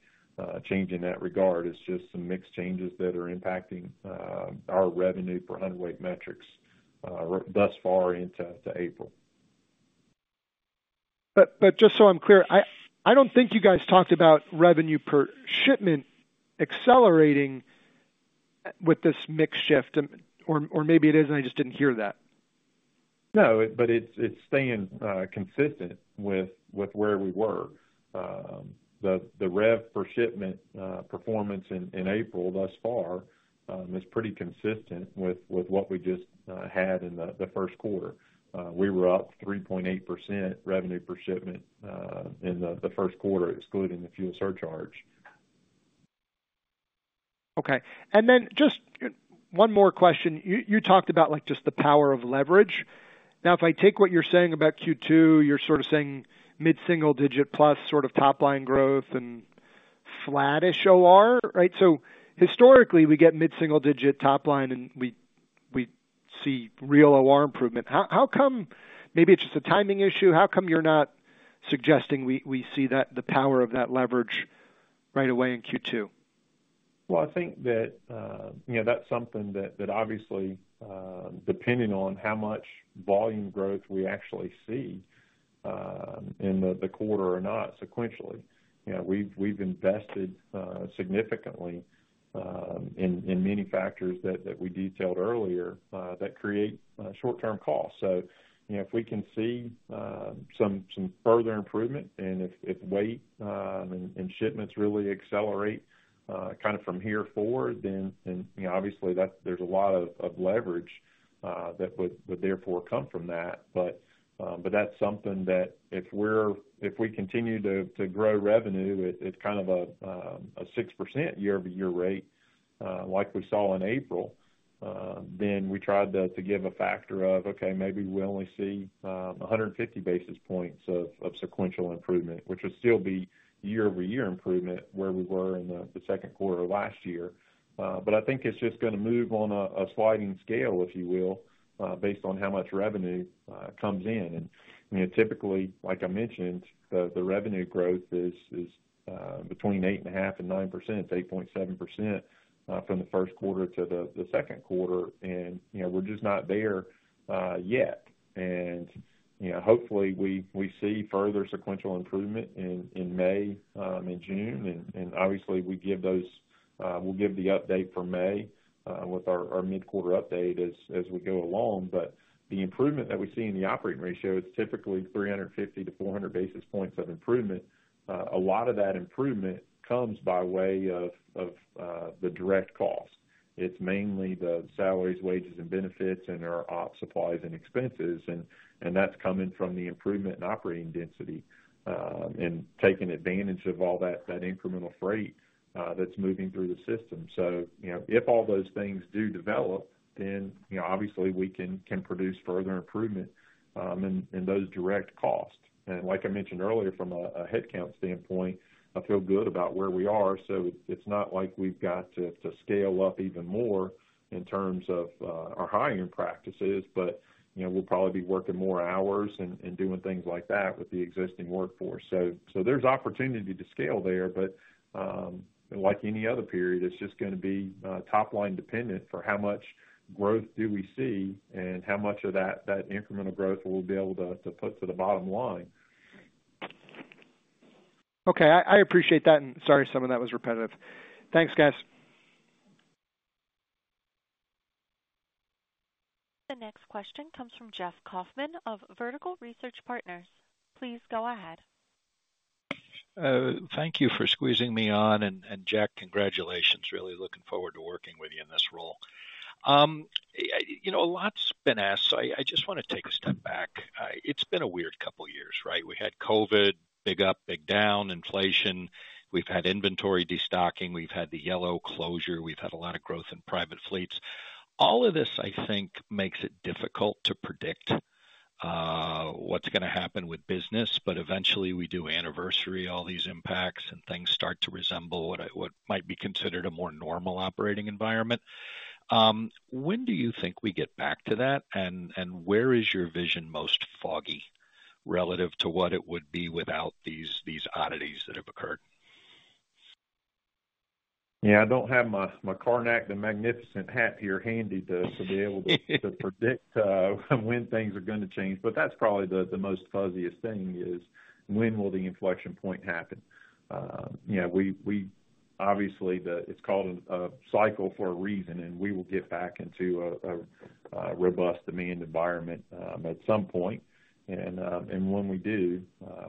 change in that regard. It's just some mixed changes that are impacting our revenue-per-hundredweight metrics thus far into April. But just so I'm clear, I don't think you guys talked about revenue per shipment accelerating with this mixed shift. Or maybe it is, and I just didn't hear that. No. But it's staying consistent with where we were. The revenue-per-shipment performance in April thus far is pretty consistent with what we just had in the first quarter. We were up 3.8% revenue per shipment in the first quarter excluding the fuel surcharge. Okay. And then just one more question. You talked about just the power of leverage. Now, if I take what you're saying about Q2, you're sort of saying mid-single-digit plus sort of top-line growth and flat-ish OR, right? So historically, we get mid-single-digit top line, and we see real OR improvement. Maybe it's just a timing issue. How come you're not suggesting we see the power of that leverage right away in Q2? Well, I think that that's something that, obviously, depending on how much volume growth we actually see in the quarter or not sequentially, we've invested significantly in many factors that we detailed earlier that create short-term costs. So if we can see some further improvement and if weight and shipments really accelerate kind of from here forward, then obviously, there's a lot of leverage that would therefore come from that. But that's something that if we continue to grow revenue at kind of a 6% year-over-year rate like we saw in April, then we tried to give a factor of, "Okay. Maybe we only see 150 basis points of sequential improvement," which would still be year-over-year improvement where we were in the second quarter of last year. But I think it's just going to move on a sliding scale, if you will, based on how much revenue comes in. Typically, like I mentioned, the revenue growth is between 8.5%-9%. It's 8.7% from the first quarter to the second quarter. We're just not there yet. Hopefully, we see further sequential improvement in May and June. Obviously, we'll give the update for May with our mid-quarter update as we go along. But the improvement that we see in the operating ratio, it's typically 350-400 basis points of improvement. A lot of that improvement comes by way of the direct cost. It's mainly the salaries, wages, and benefits, and our ops, supplies, and expenses. That's coming from the improvement in operating density and taking advantage of all that incremental freight that's moving through the system. So if all those things do develop, then obviously, we can produce further improvement in those direct costs. Like I mentioned earlier, from a headcount standpoint, I feel good about where we are. It's not like we've got to scale up even more in terms of our hiring practices. But we'll probably be working more hours and doing things like that with the existing workforce. There's opportunity to scale there. Like any other period, it's just going to be top-line dependent for how much growth do we see and how much of that incremental growth we'll be able to put to the bottom line. Okay. I appreciate that. Sorry, some of that was repetitive. Thanks, guys. The next question comes from Jeff Kauffman of Vertical Research Partners. Please go ahead. Thank you for squeezing me on. And Jack, congratulations. Really looking forward to working with you in this role. A lot's been asked. So I just want to take a step back. It's been a weird couple of years, right? We had COVID, big up, big down, inflation. We've had inventory destocking. We've had the Yellow closure. We've had a lot of growth in private fleets. All of this, I think, makes it difficult to predict what's going to happen with business. But eventually, we do anniversary all these impacts, and things start to resemble what might be considered a more normal operating environment. When do you think we get back to that? And where is your vision most foggy relative to what it would be without these oddities that have occurred? Yeah. I don't have my Carnac the Magnificent hat here, handy to be able to predict when things are going to change. But that's probably the most fuzziest thing is when will the inflection point happen? Obviously, it's called a cycle for a reason. And we will get back into a robust demand environment at some point. And when we do,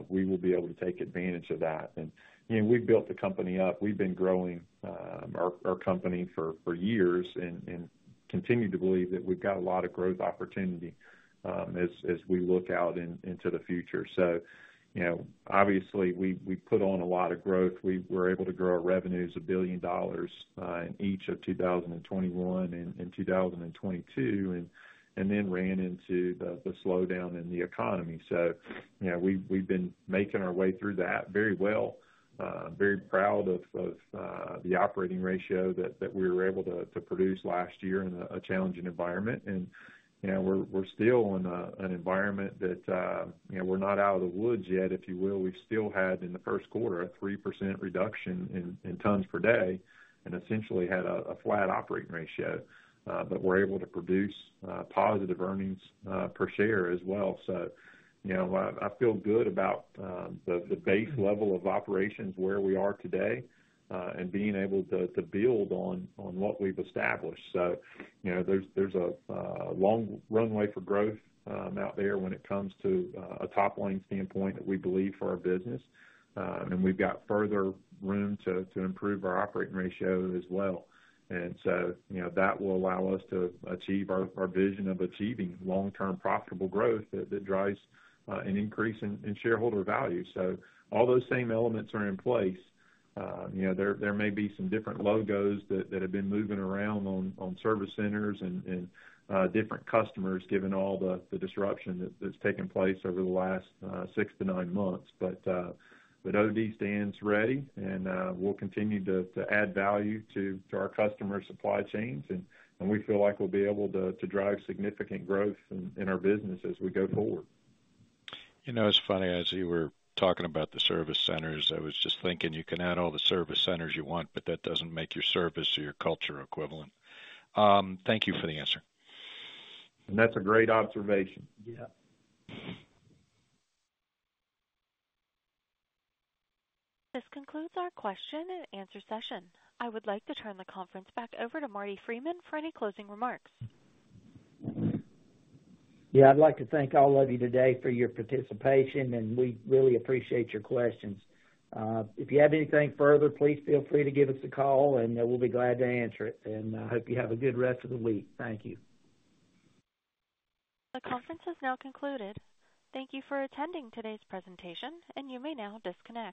we will be able to take advantage of that. And we've built the company up. We've been growing our company for years and continue to believe that we've got a lot of growth opportunity as we look out into the future. So obviously, we put on a lot of growth. We were able to grow our revenues $1 billion in each of 2021 and 2022 and then ran into the slowdown in the economy. So we've been making our way through that very well, very proud of the operating ratio that we were able to produce last year in a challenging environment. And we're still in an environment that we're not out of the woods yet, if you will. We've still had, in the first quarter, a 3% reduction in tons per day and essentially had a flat operating ratio. But we're able to produce positive earnings per share as well. So I feel good about the base level of operations where we are today and being able to build on what we've established. So there's a long runway for growth out there when it comes to a top-line standpoint that we believe for our business. And we've got further room to improve our operating ratio as well. So that will allow us to achieve our vision of achieving long-term profitable growth that drives an increase in shareholder value. So all those same elements are in place. There may be some different logos that have been moving around on service centers and different customers given all the disruption that's taken place over the last six to nine months. But OD stands ready. We'll continue to add value to our customer supply chains. We feel like we'll be able to drive significant growth in our business as we go forward. It's funny. As you were talking about the service centers, I was just thinking you can add all the service centers you want, but that doesn't make your service or your culture equivalent. Thank you for the answer. That's a great observation. This concludes our question and answer session. I would like to turn the conference back over to Marty Freeman for any closing remarks. Yeah. I'd like to thank all of you today for your participation. And we really appreciate your questions. If you have anything further, please feel free to give us a call. And we'll be glad to answer it. And I hope you have a good rest of the week. Thank you. The conference has now concluded. Thank you for attending today's presentation. You may now disconnect.